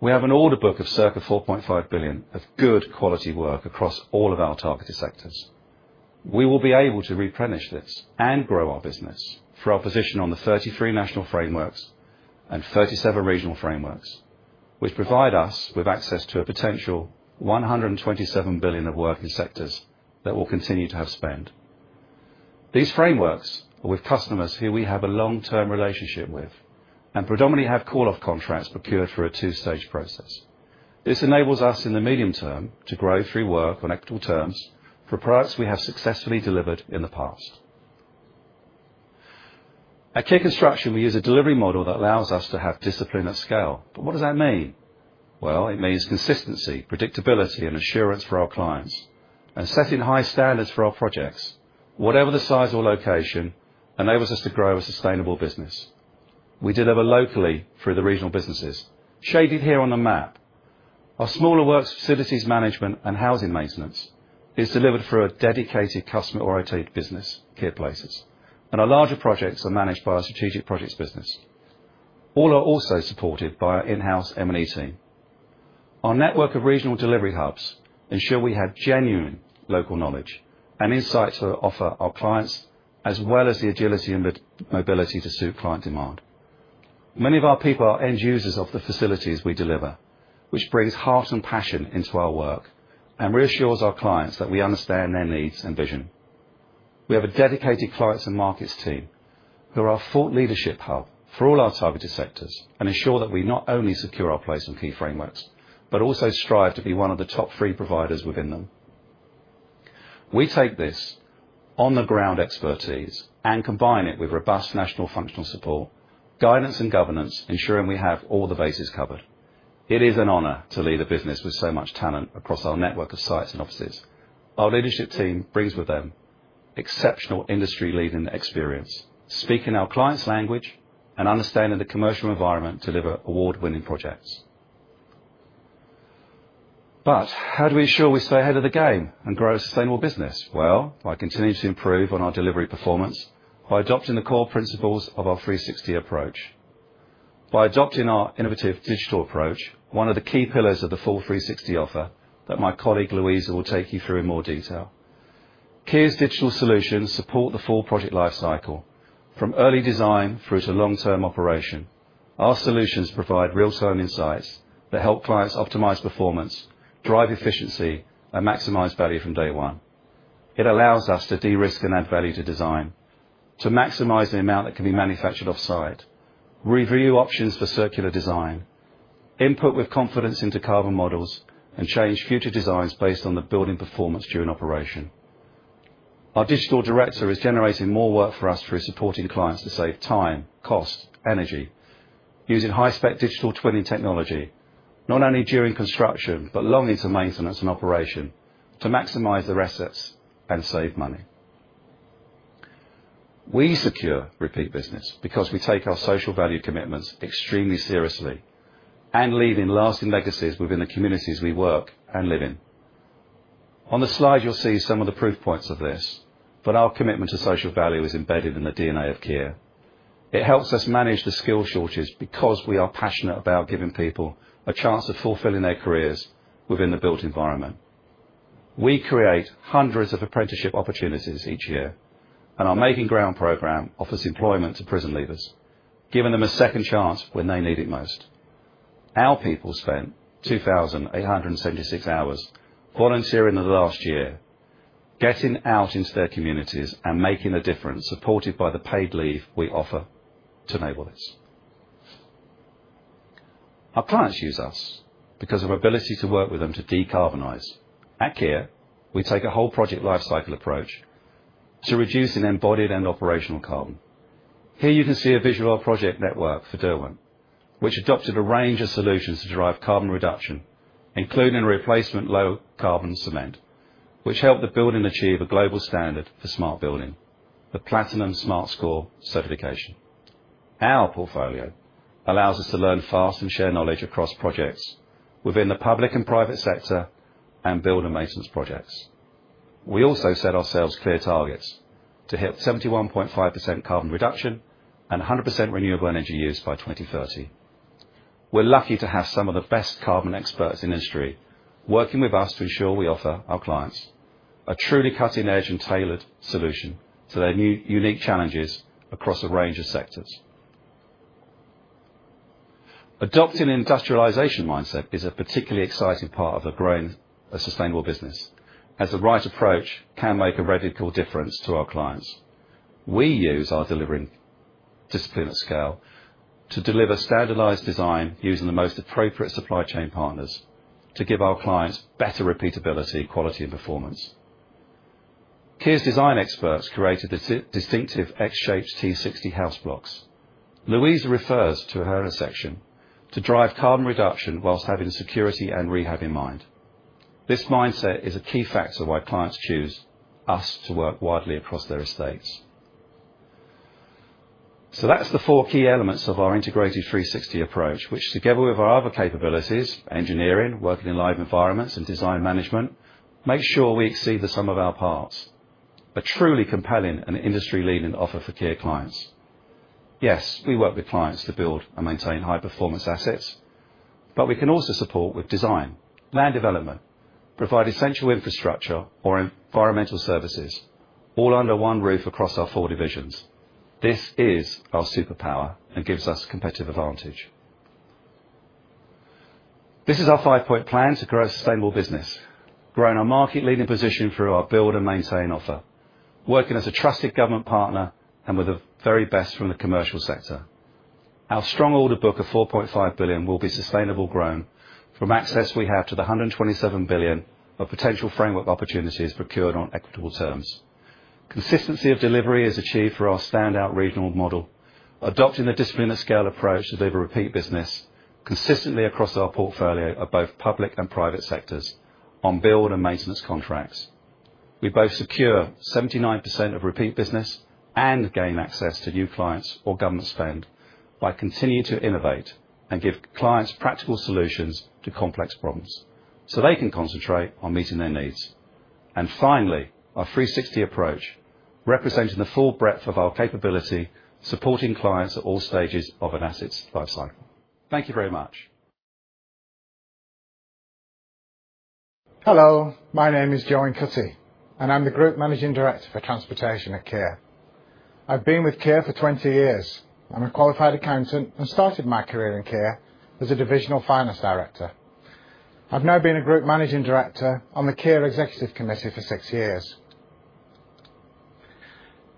We have an order book of circa 4.5 billion of good quality work across all of our targeted sectors. We will be able to replenish this and grow our business through our position on the 33 national frameworks and 37 regional frameworks, which provide us with access to a potential 127 billion of working sectors that will continue to have spend. These frameworks are with customers who we have a long-term relationship with and predominantly have call-off contracts procured through a two-stage process. This enables us in the medium term to grow through work on equitable terms for products we have successfully delivered in the past. At Kier Construction, we use a delivery model that allows us to have discipline at scale. What does that mean? It means consistency, predictability, and assurance for our clients, and setting high standards for our projects, whatever the size or location, enables us to grow a sustainable business. We deliver locally through the regional businesses, shaded here on the map. Our smaller works, facilities management, and housing maintenance is delivered through a dedicated customer-orientated business, Kier Places, and our larger projects are managed by our strategic projects business. All are also supported by our in-house M&E team. Our network of regional delivery hubs ensure we have genuine local knowledge and insights to offer our clients, as well as the agility and mobility to suit client demand. Many of our people are end users of the facilities we deliver, which brings heart and passion into our work and reassures our clients that we understand their needs and vision. We have a dedicated clients and markets team who are our thought leadership hub for all our targeted sectors and ensure that we not only secure our place on key frameworks, but also strive to be one of the top three providers within them. We take this on-the-ground expertise and combine it with robust national functional support, guidance, and governance, ensuring we have all the bases covered. It is an honor to lead a business with so much talent across our network of sites and offices. Our leadership team brings with them exceptional industry-leading experience, speaking our client's language, and understanding the commercial environment to deliver award-winning projects. How do we ensure we stay ahead of the game and grow a sustainable business? By continuing to improve on our delivery performance by adopting the core principles of our 360 approach. By adopting our innovative digital approach, one of the key pillars of the full 360 offer that my colleague Louisa will take you through in more detail. Kier's digital solutions support the full project life cycle from early design through to long-term operation. Our solutions provide real-time insights that help clients optimize performance, drive efficiency, and maximize value from day one. It allows us to de-risk and add value to design, to maximize the amount that can be manufactured off-site, review options for circular design, input with confidence into carbon models, and change future designs based on the building performance during operation. Our Digital Director is generating more work for us through supporting clients to save time, cost, energy, using high-spec digital twinning technology, not only during construction but long into maintenance and operation to maximize the resets and save money. We secure repeat business because we take our social value commitments extremely seriously and leave lasting legacies within the communities we work and live in. On the slide, you'll see some of the proof points of this, but our commitment to social value is embedded in the DNA of Kier. It helps us manage the skill shortages because we are passionate about giving people a chance of fulfilling their careers within the built environment. We create hundreds of apprenticeship opportunities each year, and our Making Ground program offers employment to prison leavers, giving them a second chance when they need it most. Our people spent 2,876 hours volunteering in the last year, getting out into their communities and making a difference, supported by the paid leave we offer to enable this. Our clients use us because of our ability to work with them to decarbonise. At Kier, we take a whole project life cycle approach to reducing embodied and operational carbon. Here you can see a visual of our project network for Derwent, which adopted a range of solutions to drive carbon reduction, including replacement low-carbon cement, which helped the building achieve a global standard for smart building, the Platinum Smart Score certification. Our portfolio allows us to learn fast and share knowledge across projects within the public and private sector and build and maintenance projects. We also set ourselves clear targets to hit 71.5% carbon reduction and 100% renewable energy use by 2030. We're lucky to have some of the best carbon experts in the industry working with us to ensure we offer our clients a truly cutting-edge and tailored solution to their unique challenges across a range of sectors. Adopting an industrialization mindset is a particularly exciting part of a growing sustainable business, as the right approach can make a radical difference to our clients. We use our delivering discipline at scale to deliver standardized design using the most appropriate supply chain partners to give our clients better repeatability, quality, and performance. Kier's design experts created distinctive X-shaped T60 Houseblock. Louisa refers to her section to drive carbon reduction while having security and rehab in mind. This mindset is a key factor why clients choose us to work widely across their estates. That is the four key elements of our integrated 360 approach, which, together with our other capabilities, engineering, working in live environments, and design management, make sure we exceed the sum of our parts. A truly compelling and industry-leading offer for Kier clients. Yes, we work with clients to build and maintain high-performance assets, but we can also support with design, land development, provide essential infrastructure, or environmental services, all under one roof across our four divisions. This is our superpower and gives us a competitive advantage. This is our five-point plan to grow a sustainable business, growing our market-leading position through our build and maintain offer, working as a trusted government partner and with the very best from the commercial sector. Our strong order book of 4.5 billion will be sustainably grown from access we have to the 127 billion of potential framework opportunities procured on equitable terms. Consistency of delivery is achieved through our standout regional model, adopting the discipline at scale approach to deliver repeat business consistently across our portfolio of both public and private sectors on build and maintenance contracts. We both secure 79% of repeat business and gain access to new clients or government spend by continuing to innovate and give clients practical solutions to complex problems so they can concentrate on meeting their needs. Our 360 approach, representing the full breadth of our capability, supports clients at all stages of an asset's life cycle. Thank you very much.
Hello, my name is Joe Incutti, and I'm the Group Managing Director for Transportation at Kier. I've been with Kier for 20 years. I'm a qualified accountant and started my career in Kier as a divisional finance director. I've now been a Group Managing Director on the Kier Executive Committee for six years.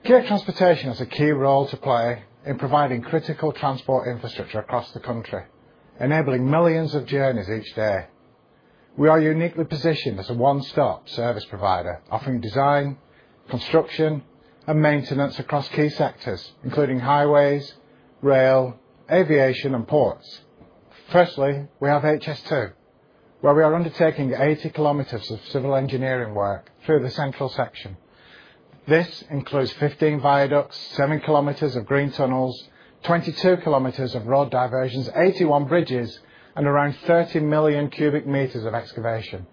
Kier Transportation has a key role to play in providing critical transport infrastructure across the country, enabling millions of journeys each day. We are uniquely positioned as a one-stop service provider, offering design, construction, and maintenance across key sectors, including highways, rail, aviation, and ports. Firstly, we have HS2, where we are undertaking 80 km of civil engineering work through the central section. This includes 15 viaducts, 7 km of green tunnels, 22 km of road diversions, 81 bridges, and around 30 million cubic meters of excavation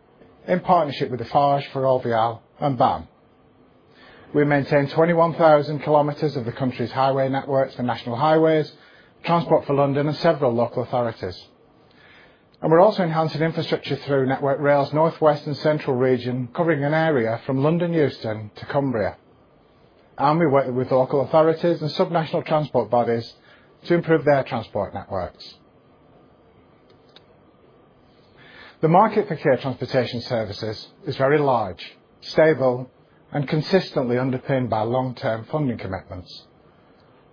in partnership with Forge for Orvial and BAM. We maintain 21,000 km of the country's highway networks, the National Highways, Transport for London, and several local authorities. We are also enhancing infrastructure through Network Rail's northwest and central region, covering an area from London Euston to Cumbria. We work with local authorities and subnational transport bodies to improve their transport networks. The market for Kier Transportation services is very large, stable, and consistently underpinned by long-term funding commitments.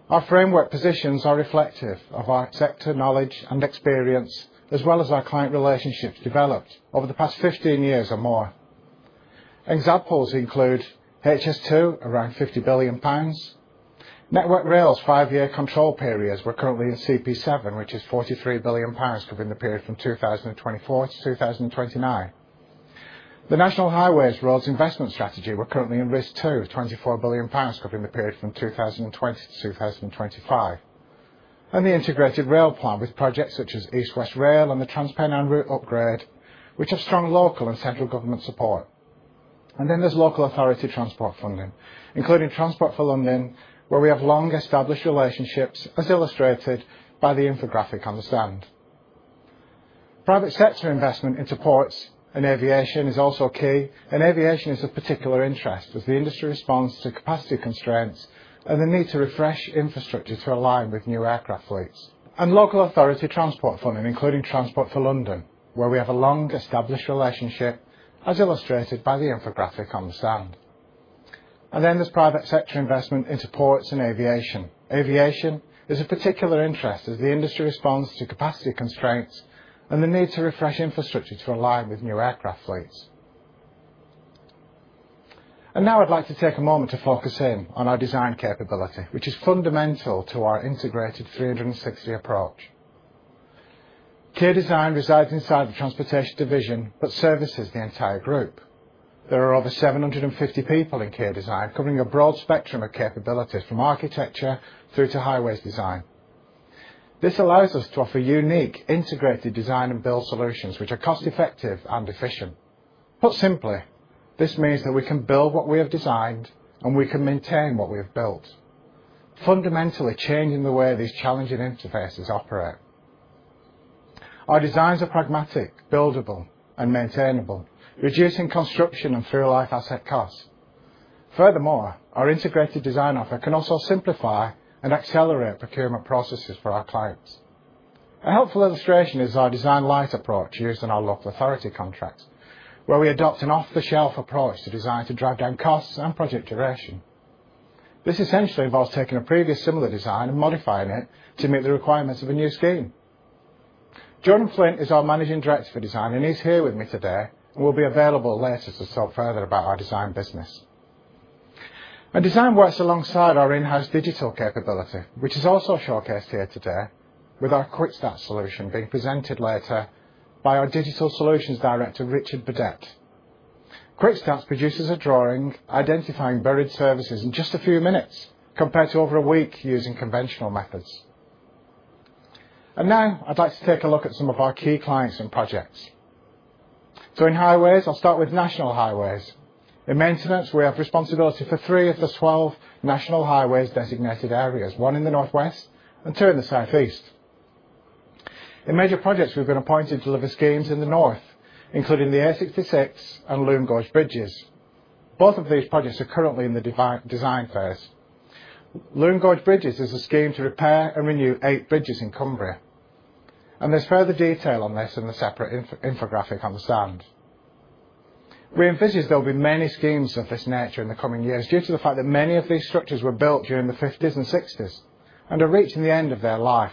Our framework positions are reflective of our sector knowledge and experience, as well as our client relationships developed over the past 15 years or more. Examples include HS2, around 50 billion pounds. Network Rail's five-year control periods, we're currently in CP7, which is 43 billion pounds covering the period from 2024 to 2029. The National Highways Road Investment Strategy, we're currently in RIS2, 24 billion covering the period from 2020 to 2025. The Integrated Rail Plan, with projects such as East West Rail and the Transpennine Route Upgrade, which have strong local and central government support. There is local authority transport funding, including Transport for London, where we have long-established relationships, as illustrated by the infographic on the stand. Private sector investment into ports and aviation is also key, aviation is of particular interest as the industry responds to capacity constraints and the need to refresh infrastructure to align with new aircraft fleets. Local authority transport funding, including Transport for London, where we have a long-established relationship, as illustrated by the infographic on the stand. Now I'd like to take a moment to focus in on our design capability, which is fundamental to our integrated 360 approach. Kier Design resides inside the Transportation Division but services the entire group. There are over 750 people in Kier Design, covering a broad spectrum of capabilities from architecture through to highways design. This allows us to offer unique integrated design and build solutions, which are cost-effective and efficient. Put simply, this means that we can build what we have designed, and we can maintain what we have built, fundamentally changing the way these challenging interfaces operate. Our designs are pragmatic, buildable, and maintainable, reducing construction and through-life asset costs. Furthermore, our integrated design offer can also simplify and accelerate procurement processes for our clients. A helpful illustration is our design light approach used in our local authority contracts, where we adopt an off-the-shelf approach to design to drive down costs and project duration. This essentially involves taking a previous similar design and modifying it to meet the requirements of a new scheme. Jordan Flint is our Managing Director for Design and is here with me today and will be available later to talk further about our design business. Design works alongside our in-house digital capability, which is also showcased here today, with our QuickStart solution being presented later by our Digital Solutions Director, Richard Burdett. QuickStart produces a drawing identifying buried services in just a few minutes compared to over a week using conventional methods. I would like to take a look at some of our key clients and projects. In highways, I will start with National Highways. In maintenance, we have responsibility for three of the 12 National Highways designated areas, one in the northwest and two in the southeast. In major projects, we have been appointed to deliver schemes in the north, including the A66 and Loonge Bridges. Both of these projects are currently in the design phase. Loonge Bridges is a scheme to repair and renew eight bridges in Cumbria. There is further detail on this in the separate infographic on the stand. We envisage there will be many schemes of this nature in the coming years due to the fact that many of these structures were built during the 1950s and 1960s and are reaching the end of their life.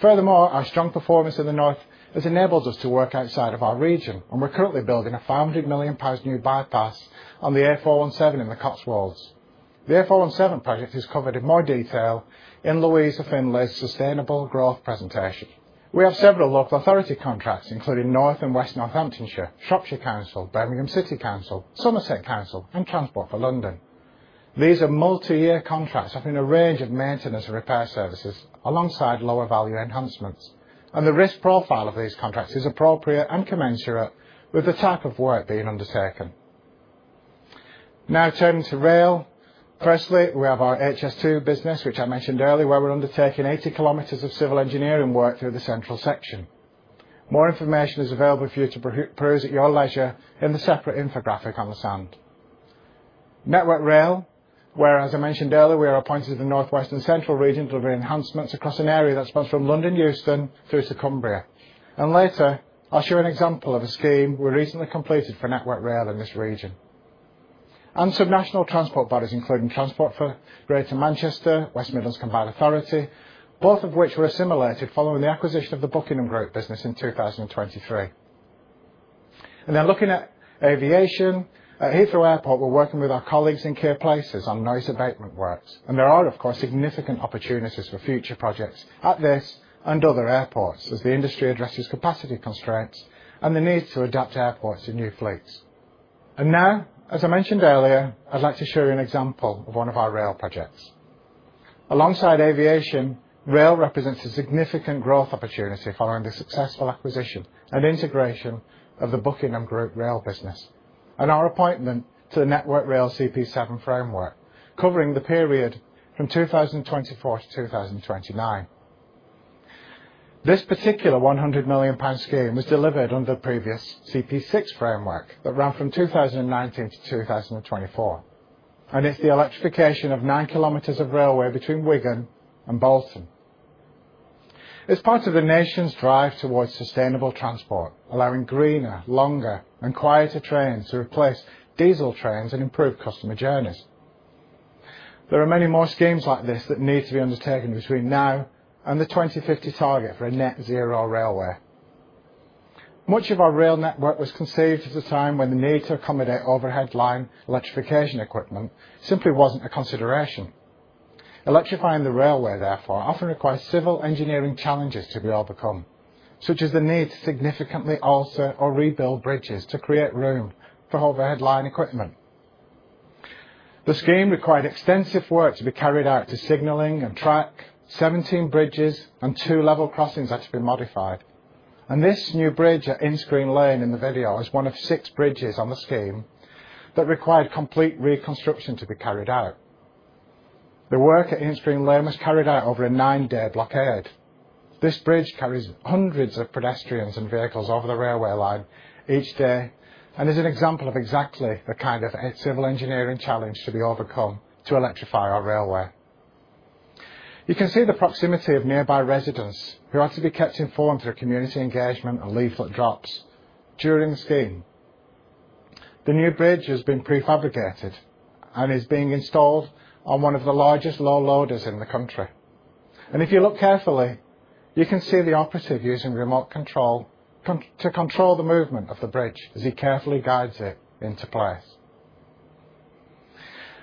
Furthermore, our strong performance in the north has enabled us to work outside of our region, and we're currently building a 500 million pounds new bypass on the A417 in the Cotswolds. The A417 project is covered in more detail in Louisa Finlay's sustainable growth presentation. We have several local authority contracts, including North and West Northamptonshire, Shropshire Council, Birmingham City Council, Somerset Council, and Transport for London. These are multi-year contracts offering a range of maintenance and repair services alongside lower value enhancements. The risk profile of these contracts is appropriate and commensurate with the type of work being undertaken. Now turning to rail. Firstly, we have our HS2 business, which I mentioned earlier, where we're undertaking 80 km of civil engineering work through the central section. More information is available for you to peruse at your leisure in the separate infographic on the stand. Network Rail, where, as I mentioned earlier, we are appointed to the northwest and central region delivering enhancements across an area that spans from London Euston through to Cumbria. Later, I'll show an example of a scheme we recently completed for Network Rail in this region. Subnational transport bodies, including Transport for Greater Manchester and West Midlands Combined Authority, both of which were assimilated following the acquisition of the Buckingham Group business in 2023. Looking at aviation, at Heathrow Airport, we're working with our colleagues in Kier Places on noise abatement works. There are, of course, significant opportunities for future projects at this and other airports as the industry addresses capacity constraints and the need to adapt airports in new fleets. As I mentioned earlier, I'd like to show you an example of one of our rail projects. Alongside aviation, rail represents a significant growth opportunity following the successful acquisition and integration of the Buckingham Group rail business and our appointment to the Network Rail CP7 framework, covering the period from 2024 to 2029. This particular 100 million pounds scheme was delivered under the previous CP6 framework that ran from 2019 to 2024. It is the electrification of 9 km of railway between Wigan and Bolton. It is part of the nation's drive towards sustainable transport, allowing greener, longer, and quieter trains to replace diesel trains and improve customer journeys. There are many more schemes like this that need to be undertaken between now and the 2050 target for a net-zero railway. Much of our rail network was conceived at a time when the need to accommodate overhead line electrification equipment simply was not a consideration. Electrifying the railway, therefore, often requires civil engineering challenges to be overcome, such as the need to significantly alter or rebuild bridges to create room for overhead line equipment. The scheme required extensive work to be carried out to signaling and track, 17 bridges, and two level crossings that have been modified. This new bridge at Inschreen Lane in the video is one of six bridges on the scheme that required complete reconstruction to be carried out. The work at Inschreen Lane was carried out over a nine-day blockade. This bridge carries hundreds of pedestrians and vehicles over the railway line each day and is an example of exactly the kind of civil engineering challenge to be overcome to electrify our railway. You can see the proximity of nearby residents who are to be kept informed through community engagement and leaflet drops during the scheme. The new bridge has been prefabricated and is being installed on one of the largest low loaders in the country. If you look carefully, you can see the operative using remote control to control the movement of the bridge as he carefully guides it into place.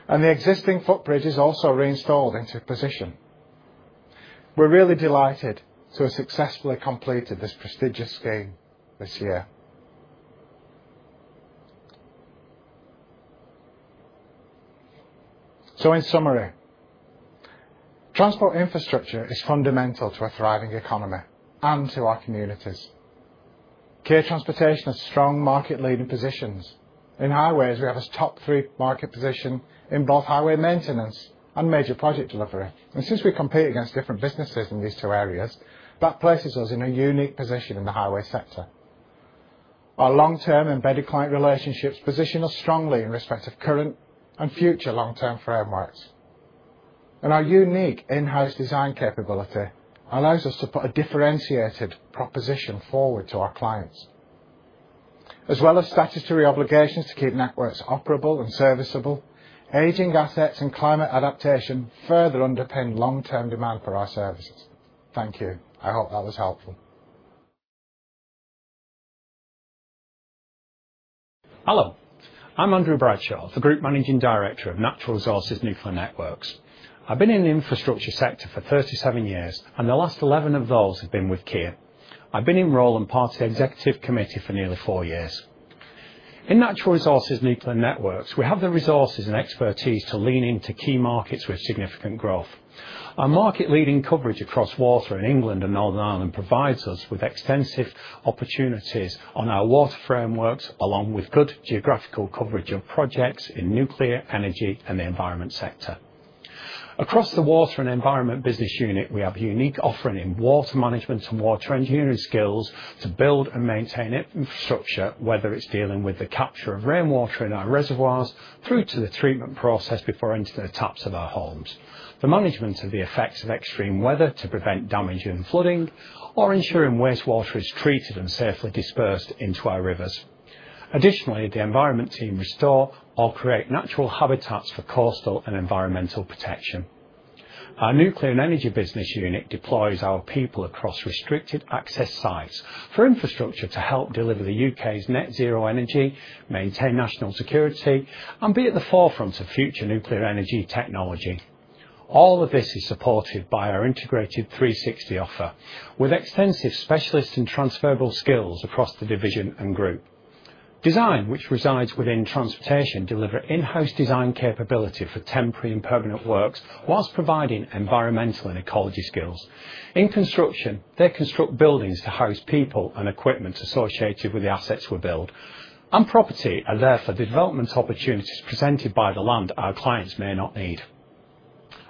The existing footbridge is also reinstalled into position. We are really delighted to have successfully completed this prestigious scheme this year. In summary, transport infrastructure is fundamental to a thriving economy and to our communities. Kier Transportation has strong market-leading positions. In highways, we have a top three market position in both highway maintenance and major project delivery. Since we compete against different businesses in these two areas, that places us in a unique position in the highway sector. Our long-term embedded client relationships position us strongly in respect of current and future long-term frameworks. Our unique in-house design capability allows us to put a differentiated proposition forward to our clients. As well as statutory obligations to keep networks operable and serviceable, aging assets and climate adaptation further underpin long-term demand for our services. Thank you. I hope that was helpful.
Hello. I'm Andrew Bradshaw, the Group Managing Director of Natural Resources Nuclear Networks. I've been in the infrastructure sector for 37 years, and the last 11 of those have been with Kier. I've been enrolled and part of the Executive Committee for nearly four years. In Natural Resources Nuclear Networks, we have the resources and expertise to lean into key markets with significant growth. Our market-leading coverage across water in England and Northern Ireland provides us with extensive opportunities on our water frameworks, along with good geographical coverage of projects in nuclear, energy, and the environment sector. Across the water and environment business unit, we have a unique offering in water management and water engineering skills to build and maintain infrastructure, whether it is dealing with the capture of rainwater in our reservoirs through to the treatment process before entering the taps of our homes, the management of the effects of extreme weather to prevent damage and flooding, or ensuring wastewater is treated and safely dispersed into our rivers. Additionally, the environment team restore or create natural habitats for coastal and environmental protection. Our nuclear and energy business unit deploys our people across restricted access sites for infrastructure to help deliver the U.K.'s net-zero energy, maintain national security, and be at the forefront of future nuclear energy technology. All of this is supported by our integrated 360 offer, with extensive specialists and transferable skills across the division and group. Design, which resides within transportation, delivers in-house design capability for temporary and permanent works whilst providing environmental and ecology skills. In construction, they construct buildings to house people and equipment associated with the assets we build. Property are there for the development opportunities presented by the land our clients may not need.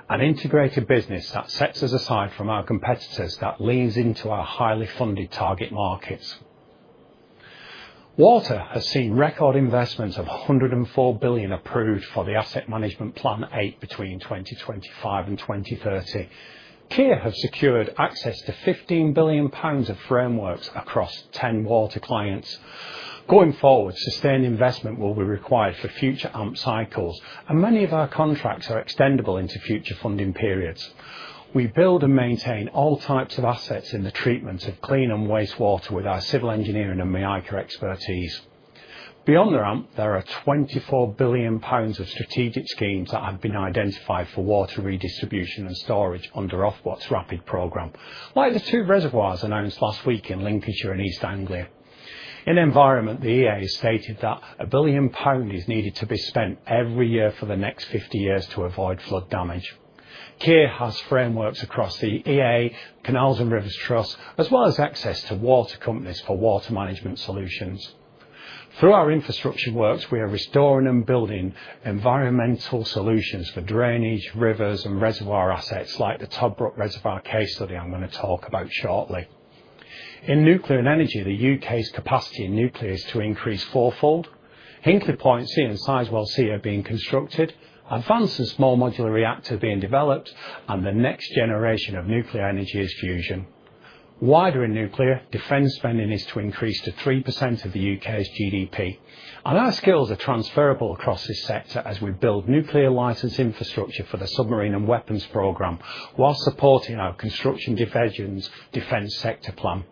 An integrated business that sets us aside from our competitors that leans into our highly funded target markets. Water has seen record investments of 104 billion approved for the Asset Management Plan 8 between 2025 and 2030. Kier has secured access to 15 billion pounds of frameworks across 10 water clients. Going forward, sustained investment will be required for future AMP cycles, and many of our contracts are extendable into future funding periods. We build and maintain all types of assets in the treatment of clean and wastewater with our civil engineering and MICA expertise. Beyond the AMP, there are 24 billion pounds of strategic schemes that have been identified for water redistribution and storage under Ofwat's RAPID Program, like the two reservoirs announced last week in Lincolnshire and East Anglia. In environment, the EA has stated that 1 billion pound is needed to be spent every year for the next 50 years to avoid flood damage. Kier has frameworks across the EA, Canals and Rivers Trust, as well as access to water companies for water management solutions. Through our infrastructure works, we are restoring and building environmental solutions for drainage, rivers, and reservoir assets like the Toddbrook Reservoir case study I'm going to talk about shortly. In nuclear and energy, the U.K.'s capacity in nuclear is to increase fourfold. Hinkley Point C and Sizewell C are being constructed, Advanced and Small Modular Reactor are being developed, and the next generation of nuclear energy is fusion. Wider in nuclear, defense spending is to increase to 3% of the U.K.'s GDP. And our skills are transferable across this sector as we build nuclear license infrastructure for the Submarine and Weapons Programme while supporting our Construction Division's Defense Sector Plan.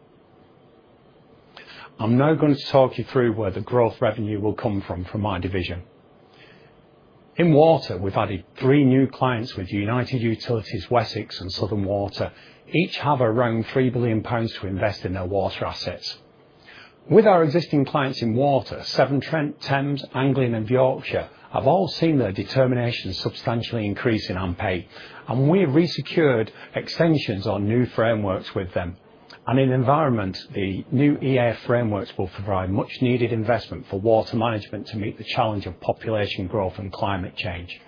I'm now going to talk you through where the growth revenue will come from from my division. In water, we've added three new clients with United Utilities, Wessex, and Southern Water, each having around 3 billion pounds to invest in their water assets. With our existing clients in water, Severn Trent, Thames, Anglian, and Yorkshire have all seen their determination substantially increase in AMP8, and we have re-secured extensions on new frameworks with them. In environment, the new EA frameworks will provide much-needed investment for water management to meet the challenge of population growth and climate change.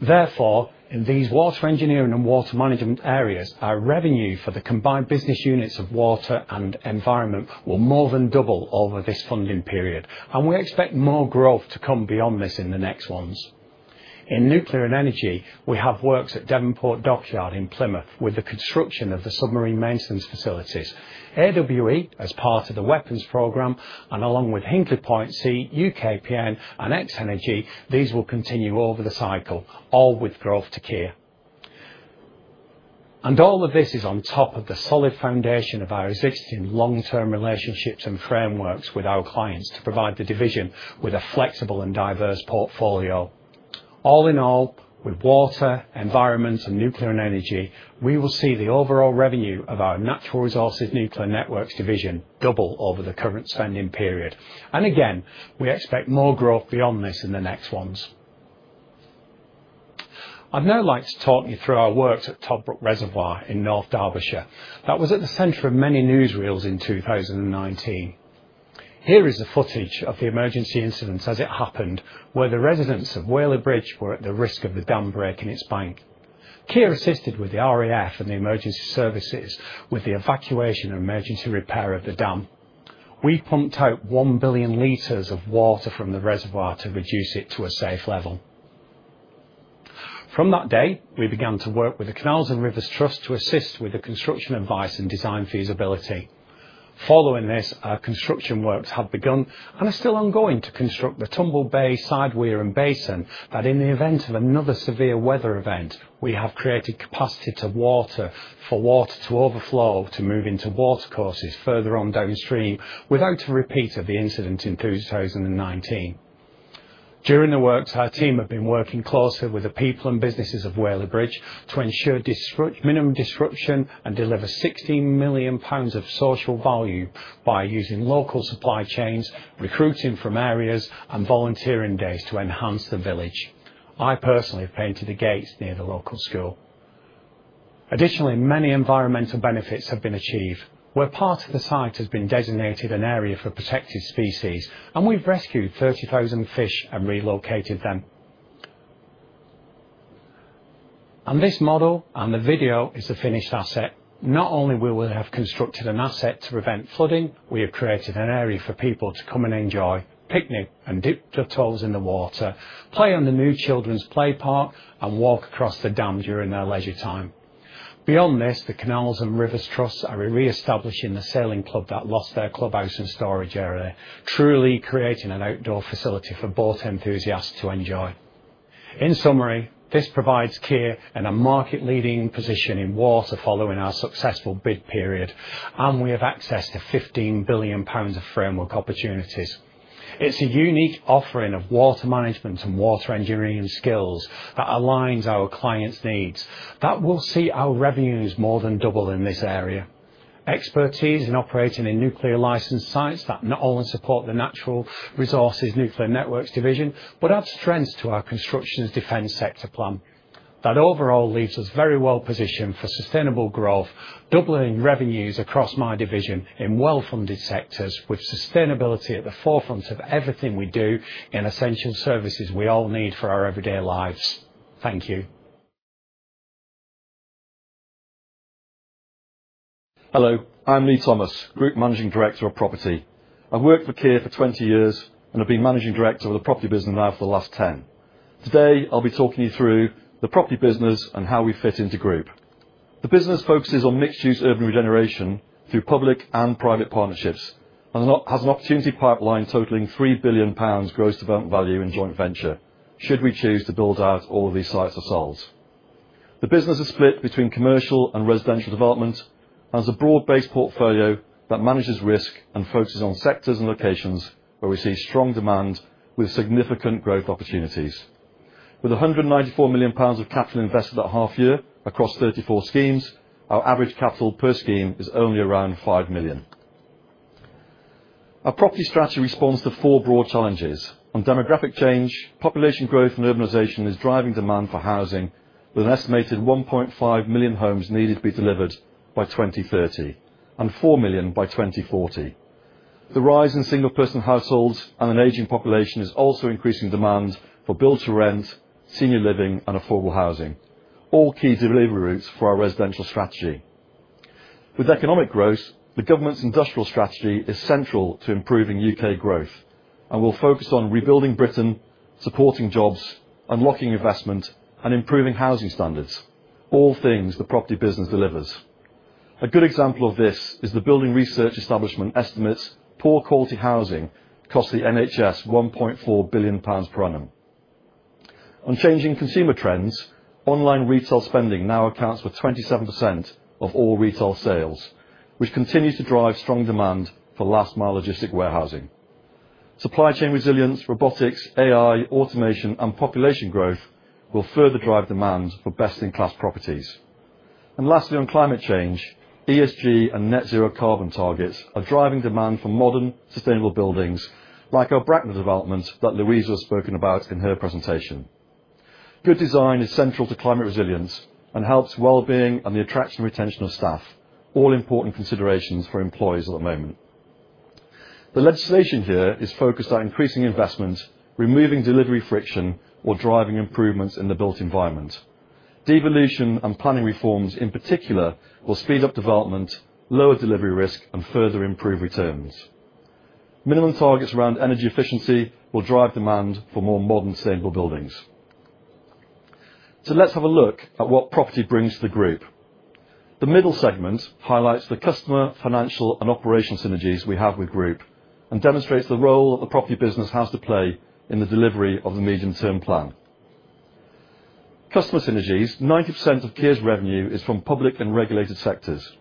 Therefore, in these water engineering and water management areas, our revenue for the combined business units of water and environment will more than double over this funding period, and we expect more growth to come beyond this in the next ones. In nuclear and energy, we have works at Devonport Dockyard in Plymouth with the construction of the submarine maintenance facilities. AWE, as part of the Weapons Programme, and along with Hinkley Point C, UKPN, and X-energy, these will continue over the cycle, all with growth to Kier. All of this is on top of the solid foundation of our existing long-term relationships and frameworks with our clients to provide the division with a flexible and diverse portfolio. All in all, with water, environment, and nuclear and energy, we will see the overall revenue of our Natural Resources Nuclear Networks division double over the current spending period. We expect more growth beyond this in the next ones. I'd now like to talk you through our works at Toddbrook Reservoir in North Derbyshire. That was at the center of many newsreels in 2019. Here is the footage of the emergency incident as it happened, where the residents of Wales Bridge were at the risk of the dam breaking its bank. Kier assisted with the REF and the emergency services with the evacuation and emergency repair of the dam. We pumped out 1 billion of water from the reservoir to reduce it to a safe level. From that day, we began to work with the Canals and Rivers Trust to assist with the construction advice and design feasibility. Following this, our construction works have begun and are still ongoing to construct the Tumble Bay side weir and basin that, in the event of another severe weather event, we have created capacity for water to overflow to move into watercourses further on downstream without a repeat of the incident in 2019. During the works, our team have been working closely with the people and businesses of Wales Bridge to ensure minimum disruption and deliver 16 million pounds of social value by using local supply chains, recruiting from areas, and volunteering days to enhance the village. I personally have painted the gates near the local school. Additionally, many environmental benefits have been achieved, where part of the site has been designated an area for protected species, and we have rescued 30,000 fish and relocated them. This model and the video is a finished asset. Not only will we have constructed an asset to prevent flooding, we have created an area for people to come and enjoy picnic and dip their toes in the water, play on the new children's play park, and walk across the dam during their leisure time. Beyond this, the Canals and Rivers Trust are re-establishing the sailing club that lost their clubhouse and storage area, truly creating an outdoor facility for boat enthusiasts to enjoy. In summary, this provides Kier in a market-leading position in water following our successful bid period, and we have access to 15 billion pounds of framework opportunities. It's a unique offering of water management and water engineering skills that aligns our clients' needs that will see our revenues more than double in this area. Expertise in operating in nuclear licence sites that not only support the Natural Resources Nuclear Networks division but add strength to our Construction's Defence Sector Plan. That overall leaves us very well positioned for sustainable growth, doubling revenues across my division in well-funded sectors with sustainability at the forefront of everything we do in essential services we all need for our everyday lives. Thank you.
Hello. I'm Leigh Thomas, Group Managing Director of Property. I've worked for Kier for 20 years and have been Managing Director of the property business now for the last 10. Today, I'll be talking you through the property business and how we fit into Group. The business focuses on mixed-use urban regeneration through public and private partnerships and has an opportunity pipeline totaling 3 billion pounds gross development value in joint venture should we choose to build out all of these sites ourselves. The business is split between commercial and residential development and has a broad-based portfolio that manages risk and focuses on sectors and locations where we see strong demand with significant growth opportunities. With 194 million pounds of capital invested that half year across 34 schemes, our average capital per scheme is only around 5 million. Our property strategy responds to four broad challenges. On demographic change, population growth, and urbanization is driving demand for housing, with an estimated 1.5 million homes needed to be delivered by 2030 and 4 million by 2040. The rise in single-person households and an aging population is also increasing demand for build-to-rent, senior living, and affordable housing, all key delivery routes for our residential strategy. With economic growth, the government's industrial strategy is central to improving U.K. growth and will focus on rebuilding Britain, supporting jobs, unlocking investment, and improving housing standards, all things the property business delivers. A good example of this is the Building Research Establishment estimates poor quality housing cost the NHS 1.4 billion pounds per annum. On changing consumer trends, online retail spending now accounts for 27% of all retail sales, which continues to drive strong demand for last-mile logistic warehousing. Supply chain resilience, robotics, AI, automation, and population growth will further drive demand for best-in-class properties. Lastly, on climate change, ESG and net-zero carbon targets are driving demand for modern, sustainable buildings like our Bracknell development that Louisa has spoken about in her presentation. Good design is central to climate resilience and helps well-being and the attraction and retention of staff, all important considerations for employees at the moment. The legislation here is focused on increasing investment, removing delivery friction, or driving improvements in the built environment. Devolution and planning reforms, in particular, will speed up development, lower delivery risk, and further improve returns. Minimum targets around energy efficiency will drive demand for more modern, sustainable buildings. Let us have a look at what property brings to the Group. The middle segment highlights the customer, financial, and operational synergies we have with Group and demonstrates the role that the property business has to play in the delivery of the medium-term plan. Customer synergies, 90% of Kier's revenue is from public and regulated sectors.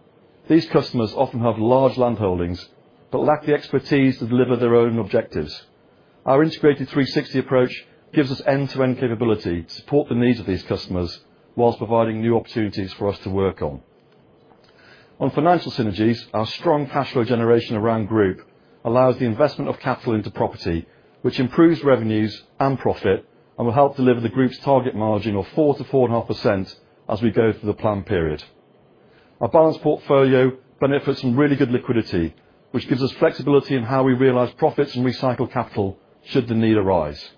These customers often have large land holdings but lack the expertise to deliver their own objectives. Our integrated 360 approach gives us end-to-end capability to support the needs of these customers whilst providing new opportunities for us to work on. On financial synergies, our strong cash flow generation around Group allows the investment of capital into property, which improves revenues and profit and will help deliver the Group's target margin of 4%-4.5% as we go through the plan period. Our balanced portfolio benefits from really good liquidity, which gives us flexibility in how we realize profits and recycle capital should the need arise.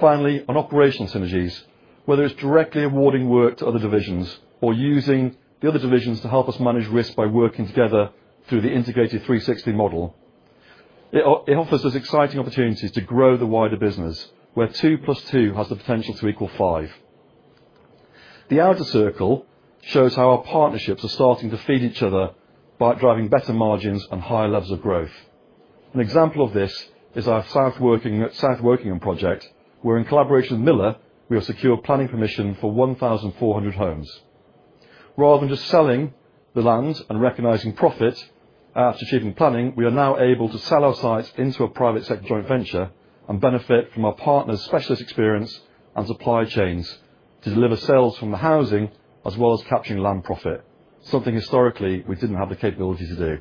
Finally, on operational synergies, whether it is directly awarding work to other divisions or using the other divisions to help us manage risk by working together through the integrated 360 model, it offers us exciting opportunities to grow the wider business where 2+2 has the potential to equal 5. The outer circle shows how our partnerships are starting to feed each other by driving better margins and higher levels of growth. An example of this is our South Wokingham project where, in collaboration with Miller, we have secured planning permission for 1,400 homes. Rather than just selling the land and recognizing profit after achieving planning, we are now able to sell our sites into a private sector joint venture and benefit from our partners' specialist experience and supply chains to deliver sales from the housing as well as capturing land profit, something historically we did not have the capability to do.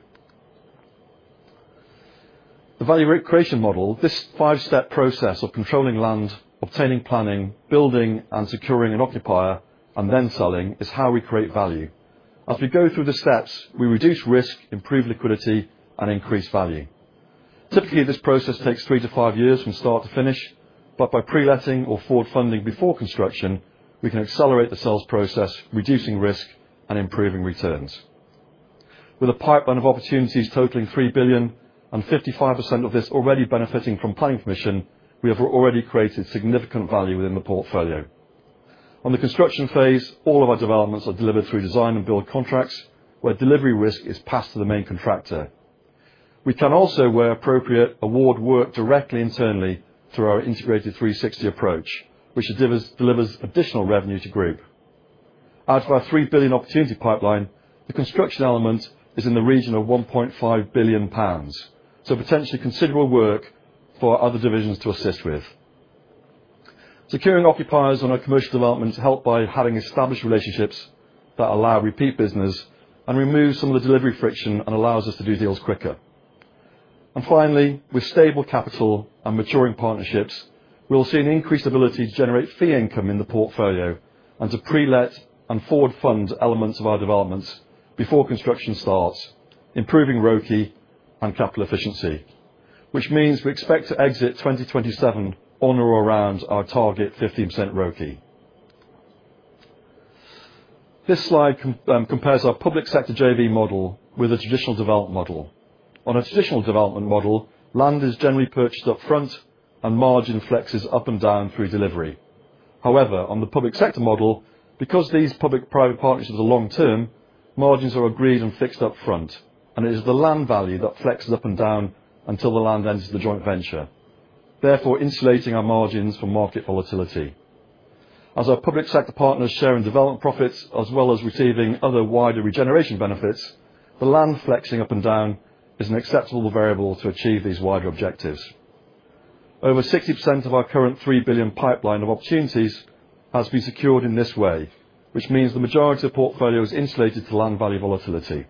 The value creation model, this five-step process of controlling land, obtaining planning, building, and securing an occupier, and then selling, is how we create value. As we go through the steps, we reduce risk, improve liquidity, and increase value. Typically, this process takes three to five years from start to finish, but by pre-letting or forward funding before construction, we can accelerate the sales process, reducing risk and improving returns. With a pipeline of opportunities totaling 3 billion and 55% of this already benefiting from planning permission, we have already created significant value within the portfolio. On the construction phase, all of our developments are delivered through design and build contracts where delivery risk is passed to the main contractor. We can also, where appropriate, award work directly internally through our integrated 360 approach, which delivers additional revenue to Group. Out of our 3 billion opportunity pipeline, the construction element is in the region of 1.5 billion pounds, so potentially considerable work for other divisions to assist with. Securing occupiers on our commercial development helped by having established relationships that allow repeat business and remove some of the delivery friction and allows us to do deals quicker. Finally, with stable capital and maturing partnerships, we'll see an increased ability to generate fee income in the portfolio and to pre-let and forward fund elements of our developments before construction starts, improving ROCE and capital efficiency, which means we expect to exit 2027 on or around our target 15% ROCE. This slide compares our public sector JV model with a traditional development model. On a traditional development model, land is generally purchased upfront and margin flexes up and down through delivery. However, on the public sector model, because these public-private partnerships are long-term, margins are agreed and fixed upfront, and it is the land value that flexes up and down until the land enters the joint venture, therefore insulating our margins from market volatility. As our public sector partners share in development profits as well as receiving other wider regeneration benefits, the land flexing up and down is an acceptable variable to achieve these wider objectives. Over 60% of our current 3 billion pipeline of opportunities has been secured in this way, which means the majority of the portfolio is insulated to land value volatility.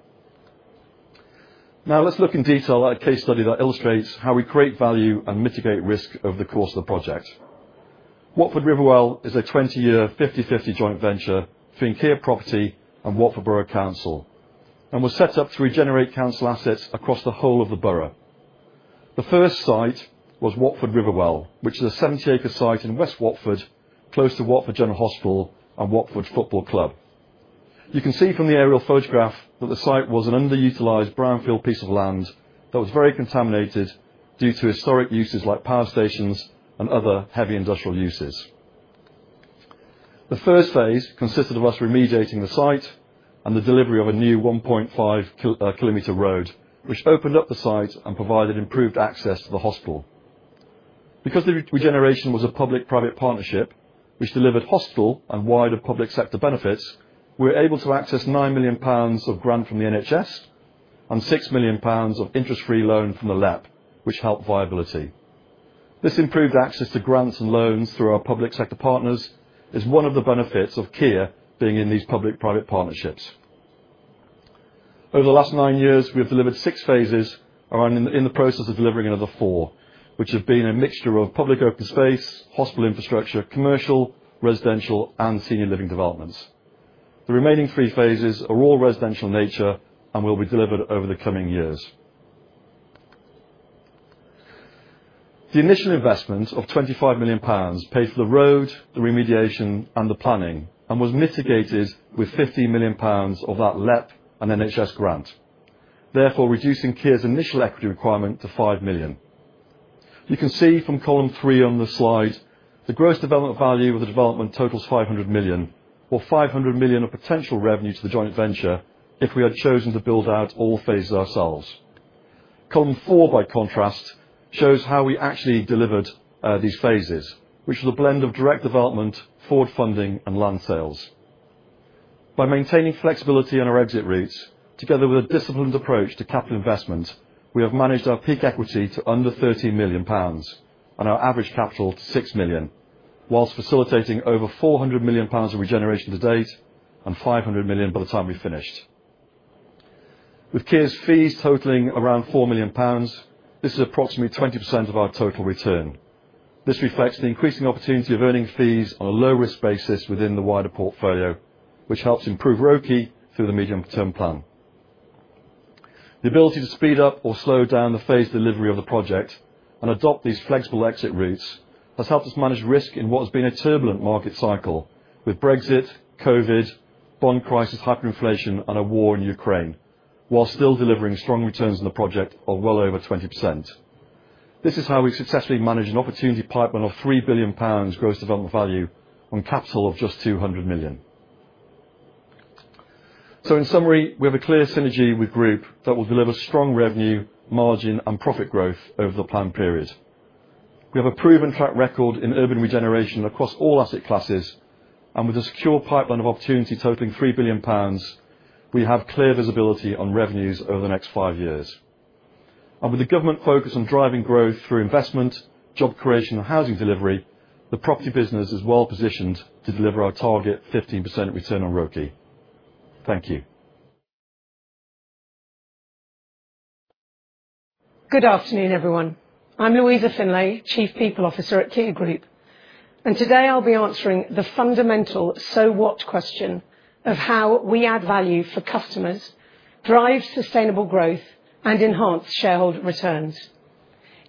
Now, let's look in detail at a case study that illustrates how we create value and mitigate risk over the course of the project. Watford Riverwell is a 20-year 50/50 joint venture between Kier Property and Watford Borough Council, and was set up to regenerate council assets across the whole of the borough. The first site was Watford Riverwell, which is a 70-acre site in West Watford, close to Watford General Hospital and Watford Football Club. You can see from the aerial photograph that the site was an underutilized brownfield piece of land that was very contaminated due to historic uses like power stations and other heavy industrial uses. The first phase consisted of us remediating the site and the delivery of a new 1.5 km road, which opened up the site and provided improved access to the hospital. Because the regeneration was a public-private partnership, which delivered hospital and wider public sector benefits, we were able to access 9 million pounds of grant from the NHS and 6 million pounds of interest-free loan from the LAP, which helped viability. This improved access to grants and loans through our public sector partners is one of the benefits of Kier being in these public-private partnerships. Over the last nine years, we have delivered six phases and are in the process of delivering another four, which have been a mixture of public open space, hospital infrastructure, commercial, residential, and senior living developments. The remaining three phases are all residential in nature and will be delivered over the coming years. The initial investment of 25 million pounds paid for the road, the remediation, and the planning, and was mitigated with 15 million pounds of that LAP and NHS grant, therefore reducing Kier's initial equity requirement to 5 million. You can see from column three on the slide, the gross development value of the development totals 500 million, or 500 million of potential revenue to the joint venture if we had chosen to build out all phases ourselves. Column four, by contrast, shows how we actually delivered these phases, which was a blend of direct development, forward funding, and land sales. By maintaining flexibility in our exit routes, together with a disciplined approach to capital investment, we have managed our peak equity to under 13 million pounds and our average capital to 6 million, whilst facilitating over 400 million pounds of regeneration to date and 500 million by the time we finished. With Kier's fees totaling around 4 million pounds, this is approximately 20% of our total return. This reflects the increasing opportunity of earning fees on a low-risk basis within the wider portfolio, which helps improve ROCE through the medium-term plan. The ability to speed up or slow down the phased delivery of the project and adopt these flexible exit routes has helped us manage risk in what has been a turbulent market cycle with Brexit, COVID, bond crisis, hyperinflation, and a war in Ukraine, whilst still delivering strong returns on the project of well over 20%. This is how we've successfully managed an opportunity pipeline of 3 billion pounds gross development value on capital of just 200 million. In summary, we have a clear synergy with Group that will deliver strong revenue, margin, and profit growth over the planned period. We have a proven track record in urban regeneration across all asset classes, and with a secure pipeline of opportunity totaling 3 billion pounds, we have clear visibility on revenues over the next five years. With the government focus on driving growth through investment, job creation, and housing delivery, the property business is well positioned to deliver our target 15% return on ROCE. Thank you.
Good afternoon, everyone. I'm Louisa Finlay, Chief People Officer at Kier Group, and today I'll be answering the fundamental "so what" question of how we add value for customers, drive sustainable growth, and enhance shareholder returns.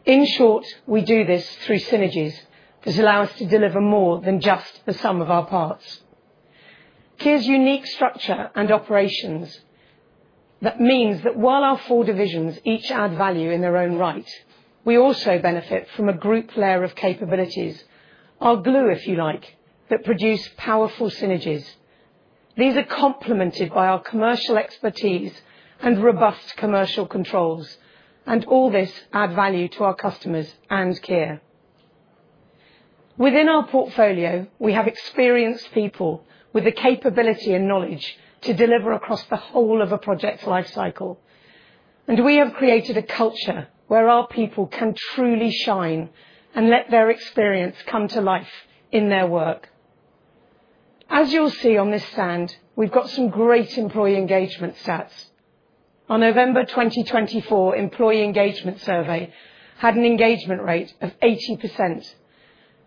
In short, we do this through synergies that allow us to deliver more than just the sum of our parts. Kier's unique structure and operations mean that while our four divisions each add value in their own right, we also benefit from a group layer of capabilities, our glue, if you like, that produce powerful synergies. These are complemented by our commercial expertise and robust commercial controls, and all this adds value to our customers and Kier. Within our portfolio, we have experienced people with the capability and knowledge to deliver across the whole of a project's life cycle, and we have created a culture where our people can truly shine and let their experience come to life in their work. As you'll see on this stand, we've got some great employee engagement stats. Our November 2024 employee engagement survey had an engagement rate of 80%,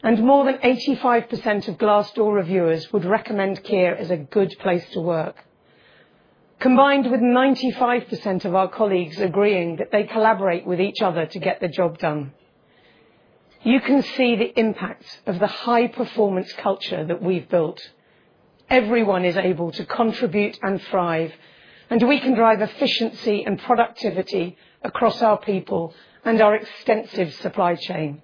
and more than 85% of Glassdoor reviewers would recommend Kier as a good place to work, combined with 95% of our colleagues agreeing that they collaborate with each other to get the job done. You can see the impact of the high-performance culture that we've built. Everyone is able to contribute and thrive, and we can drive efficiency and productivity across our people and our extensive supply chain.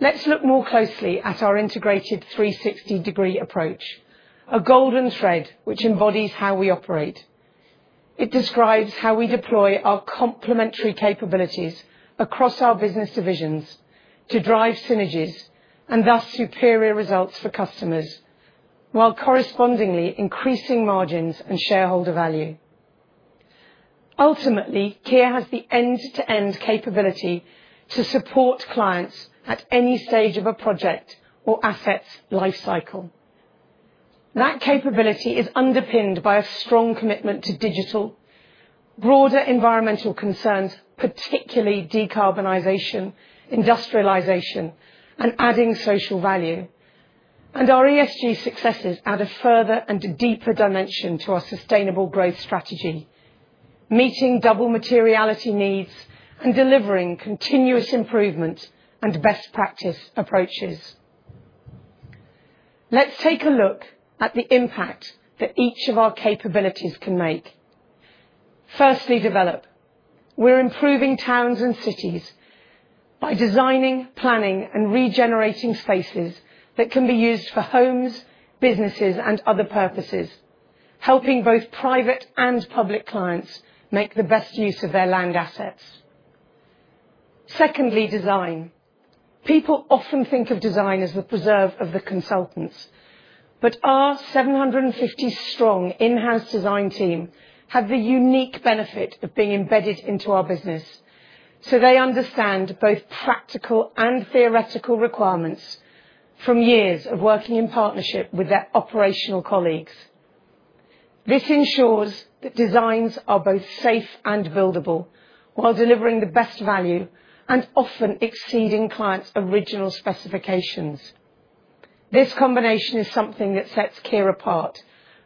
Let's look more closely at our integrated 360-degree approach, a golden thread which embodies how we operate. It describes how we deploy our complementary capabilities across our business divisions to drive synergies and thus superior results for customers, while correspondingly increasing margins and shareholder value. Ultimately, Kier has the end-to-end capability to support clients at any stage of a project or asset's life cycle. That capability is underpinned by a strong commitment to digital, broader environmental concerns, particularly decarbonization, industrialization, and adding social value, and our ESG successes add a further and deeper dimension to our sustainable growth strategy, meeting double materiality needs and delivering continuous improvement and best practice approaches. Let's take a look at the impact that each of our capabilities can make. Firstly, develop. We're improving towns and cities by designing, planning, and regenerating spaces that can be used for homes, businesses, and other purposes, helping both private and public clients make the best use of their land assets. Secondly, design. People often think of design as the preserve of the consultants, but our 750-strong in-house design team has the unique benefit of being embedded into our business, so they understand both practical and theoretical requirements from years of working in partnership with their operational colleagues. This ensures that designs are both safe and buildable while delivering the best value and often exceeding clients' original specifications. This combination is something that sets Kier apart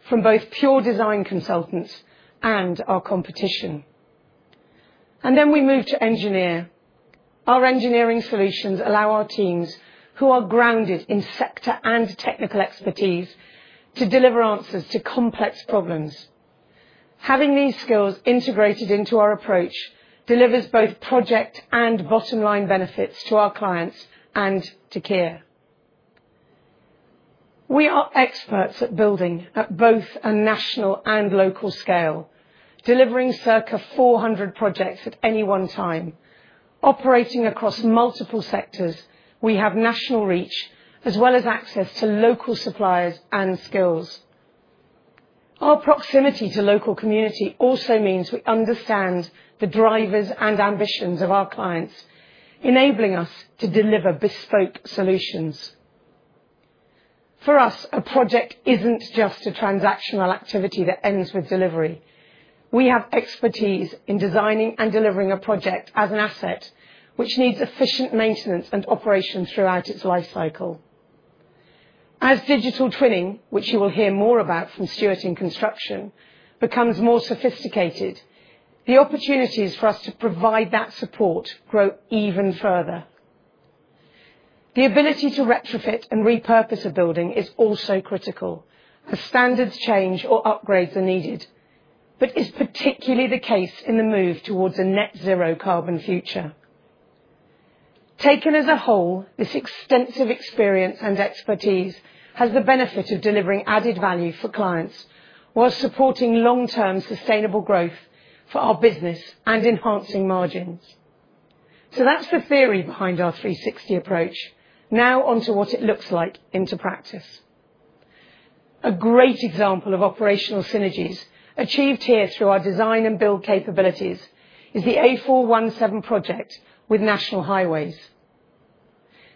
from both pure design consultants and our competition. We move to engineer. Our engineering solutions allow our teams, who are grounded in sector and technical expertise, to deliver answers to complex problems. Having these skills integrated into our approach delivers both project and bottom-line benefits to our clients and to Kier. We are experts at building at both a national and local scale, delivering circa 400 projects at any one time. Operating across multiple sectors, we have national reach as well as access to local suppliers and skills. Our proximity to the local community also means we understand the drivers and ambitions of our clients, enabling us to deliver bespoke solutions. For us, a project isn't just a transactional activity that ends with delivery. We have expertise in designing and delivering a project as an asset, which needs efficient maintenance and operation throughout its life cycle. As digital twinning, which you will hear more about from Stuart in construction, becomes more sophisticated, the opportunities for us to provide that support grow even further. The ability to retrofit and repurpose a building is also critical as standards change or upgrades are needed, but is particularly the case in the move towards a net-zero carbon future. Taken as a whole, this extensive experience and expertise has the benefit of delivering added value for clients while supporting long-term sustainable growth for our business and enhancing margins. That is the theory behind our 360 approach. Now onto what it looks like in practice. A great example of operational synergies achieved here through our design and build capabilities is the A417 project with National Highways.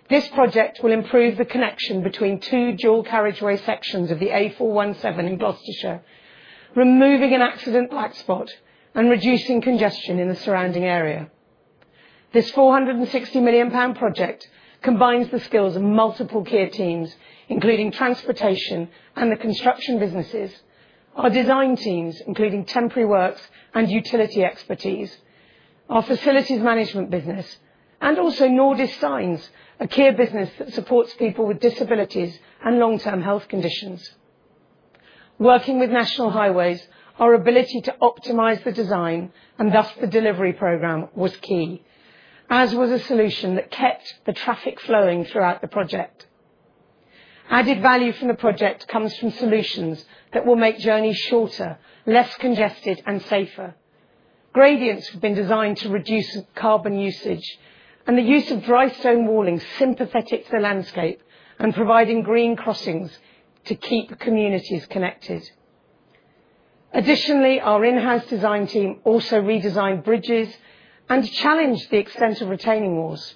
This project will improve the connection between two dual carriageway sections of the A417 in Gloucestershire, removing an accident black spot and reducing congestion in the surrounding area. This 460 million pound project combines the skills of multiple Kier teams, including transportation and the construction businesses, our design teams, including temporary works and utility expertise, our facilities management business, and also Nordis Signs, a Kier business that supports people with disabilities and long-term health conditions. Working with National Highways, our ability to optimize the design and thus the delivery program was key, as was a solution that kept the traffic flowing throughout the project. Added value from the project comes from solutions that will make journeys shorter, less congested, and safer. Gradients have been designed to reduce carbon usage and the use of drystone walling sympathetic to the landscape and providing green crossings to keep communities connected. Additionally, our in-house design team also redesigned bridges and challenged the extent of retaining walls.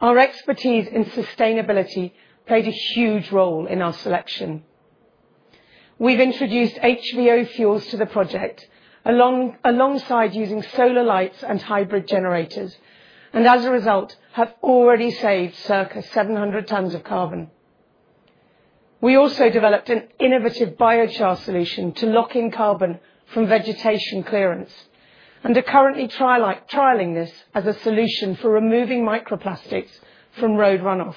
Our expertise in sustainability played a huge role in our selection. We've introduced HVO fuels to the project alongside using solar lights and hybrid generators, and as a result, have already saved circa 700 tonnes of carbon. We also developed an innovative biochar solution to lock in carbon from vegetation clearance and are currently trialling this as a solution for removing microplastics from road runoff.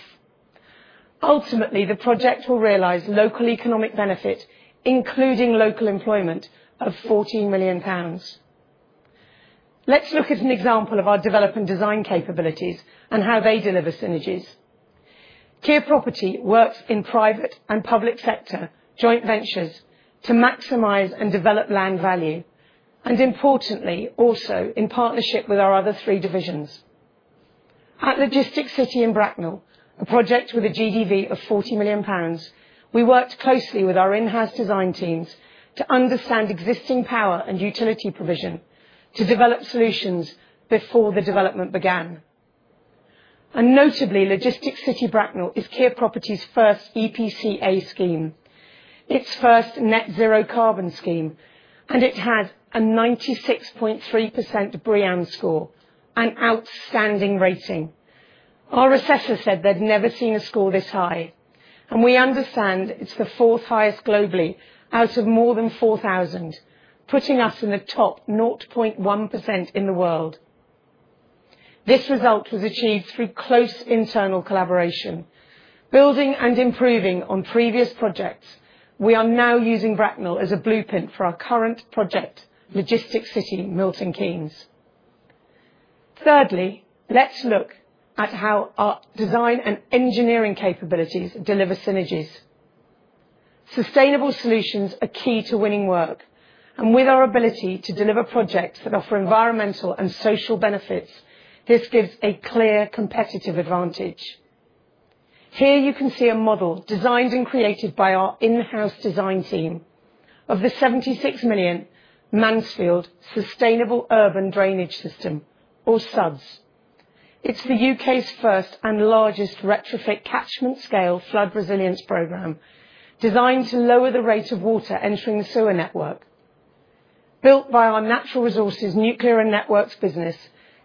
Ultimately, the project will realize local economic benefit, including local employment, of 14 million pounds. Let's look at an example of our development design capabilities and how they deliver synergies. Kier Property works in private and public sector joint ventures to maximize and develop land value, and importantly, also in partnership with our other three divisions. At Logistics City in Bracknell, a project with a GDV of 40 million pounds, we worked closely with our in-house design teams to understand existing power and utility provision to develop solutions before the development began. Notably, Logistics City Bracknell is Kier Property's first EPCA scheme, its first net-zero carbon scheme, and it has a 96.3% BREEAM score, an outstanding rating. Our assessor said they'd never seen a score this high, and we understand it's the fourth highest globally out of more than 4,000, putting us in the top 0.1% in the world. This result was achieved through close internal collaboration. Building and improving on previous projects, we are now using Bracknell as a blueprint for our current project, Logistics City Milton Keynes. Thirdly, let's look at how our design and engineering capabilities deliver synergies. Sustainable solutions are key to winning work, and with our ability to deliver projects that offer environmental and social benefits, this gives a clear competitive advantage. Here you can see a model designed and created by our in-house design team of the 76 million Mansfield Sustainable Urban Drainage System, or SUDS. It's the U.K.'s first and largest retrofit catchment scale flood resilience program designed to lower the rate of water entering the sewer network. Built by our Natural Resources Nuclear and Networks business,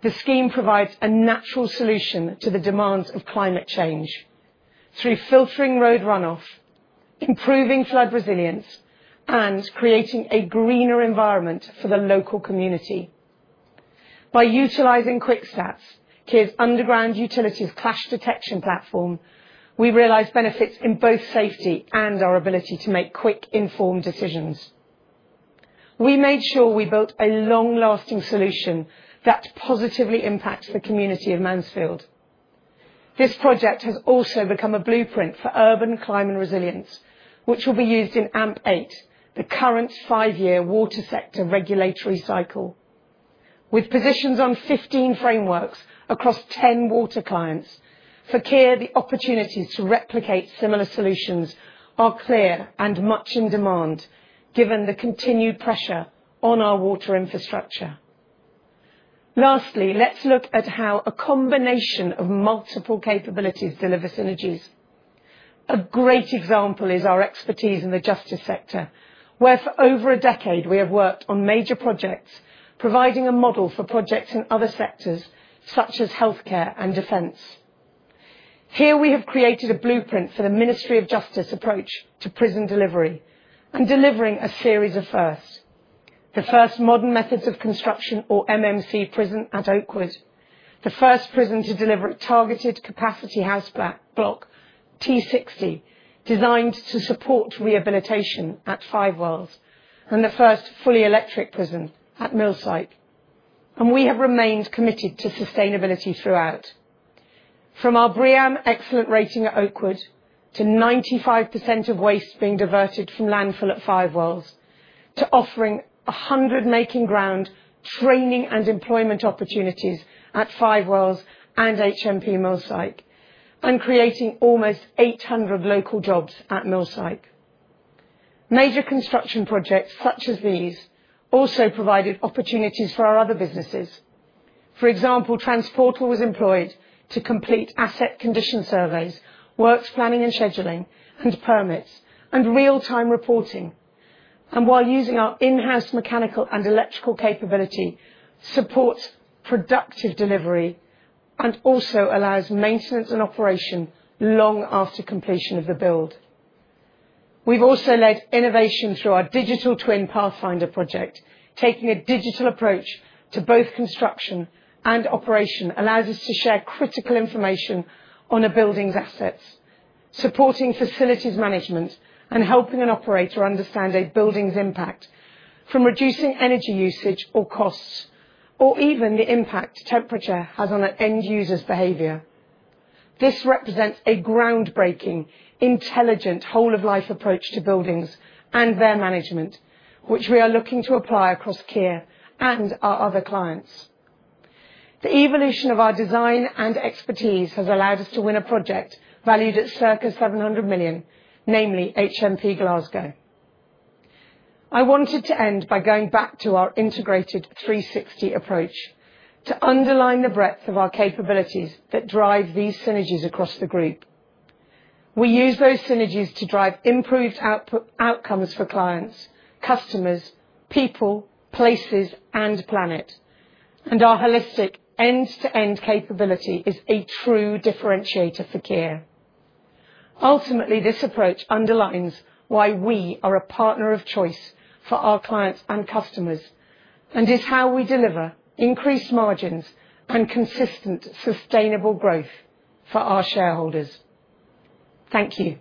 the scheme provides a natural solution to the demands of climate change through filtering road runoff, improving flood resilience, and creating a greener environment for the local community. By utilizing QuickStart, Kier's underground utilities clash detection platform, we realize benefits in both safety and our ability to make quick, informed decisions. We made sure we built a long-lasting solution that positively impacts the community of Mansfield. This project has also become a blueprint for urban climate resilience, which will be used in AMP8, the current five-year water sector regulatory cycle. With positions on 15 frameworks across 10 water clients, for Kier, the opportunities to replicate similar solutions are clear and much in demand, given the continued pressure on our water infrastructure. Lastly, let's look at how a combination of multiple capabilities delivers synergies. A great example is our expertise in the justice sector, where for over a decade we have worked on major projects, providing a model for projects in other sectors such as healthcare and defence. Here we have created a blueprint for the Ministry of Justice approach to prison delivery and delivering a series of firsts: the first modern methods of construction, or MMC, prison at Oakwood, the first prison to deliver a targeted capacity house block, T60, designed to support rehabilitation at Five Wells, and the first fully electric prison at Millsike. We have remained committed to sustainability throughout. From our BREEAM excellent rating at Oakwood to 95% of waste being diverted from landfill at Five Wells, to offering 100 Making Ground training and employment opportunities at Five Wells and HMP Millsike, and creating almost 800 local jobs at Millsike. Major construction projects such as these also provided opportunities for our other businesses. For example, Transporter was employed to complete asset condition surveys, works planning and scheduling, and permits, and real-time reporting. While using our in-house mechanical and electrical capability supports productive delivery and also allows maintenance and operation long after completion of the build. We've also led innovation through our digital twin Pathfinder project, taking a digital approach to both construction and operation, allows us to share critical information on a building's assets, supporting facilities management and helping an operator understand a building's impact from reducing energy usage or costs, or even the impact temperature has on an end user's behavior. This represents a groundbreaking, intelligent whole-of-life approach to buildings and their management, which we are looking to apply across Kier and our other clients. The evolution of our design and expertise has allowed us to win a project valued at circa 700 million, namely HMP Glasgow. I wanted to end by going back to our integrated 360 approach to underline the breadth of our capabilities that drive these synergies across the group. We use those synergies to drive improved outcomes for clients, customers, people, places, and planet, and our holistic end-to-end capability is a true differentiator for Kier. Ultimately, this approach underlines why we are a partner of choice for our clients and customers and is how we deliver increased margins and consistent sustainable growth for our shareholders. Thank you.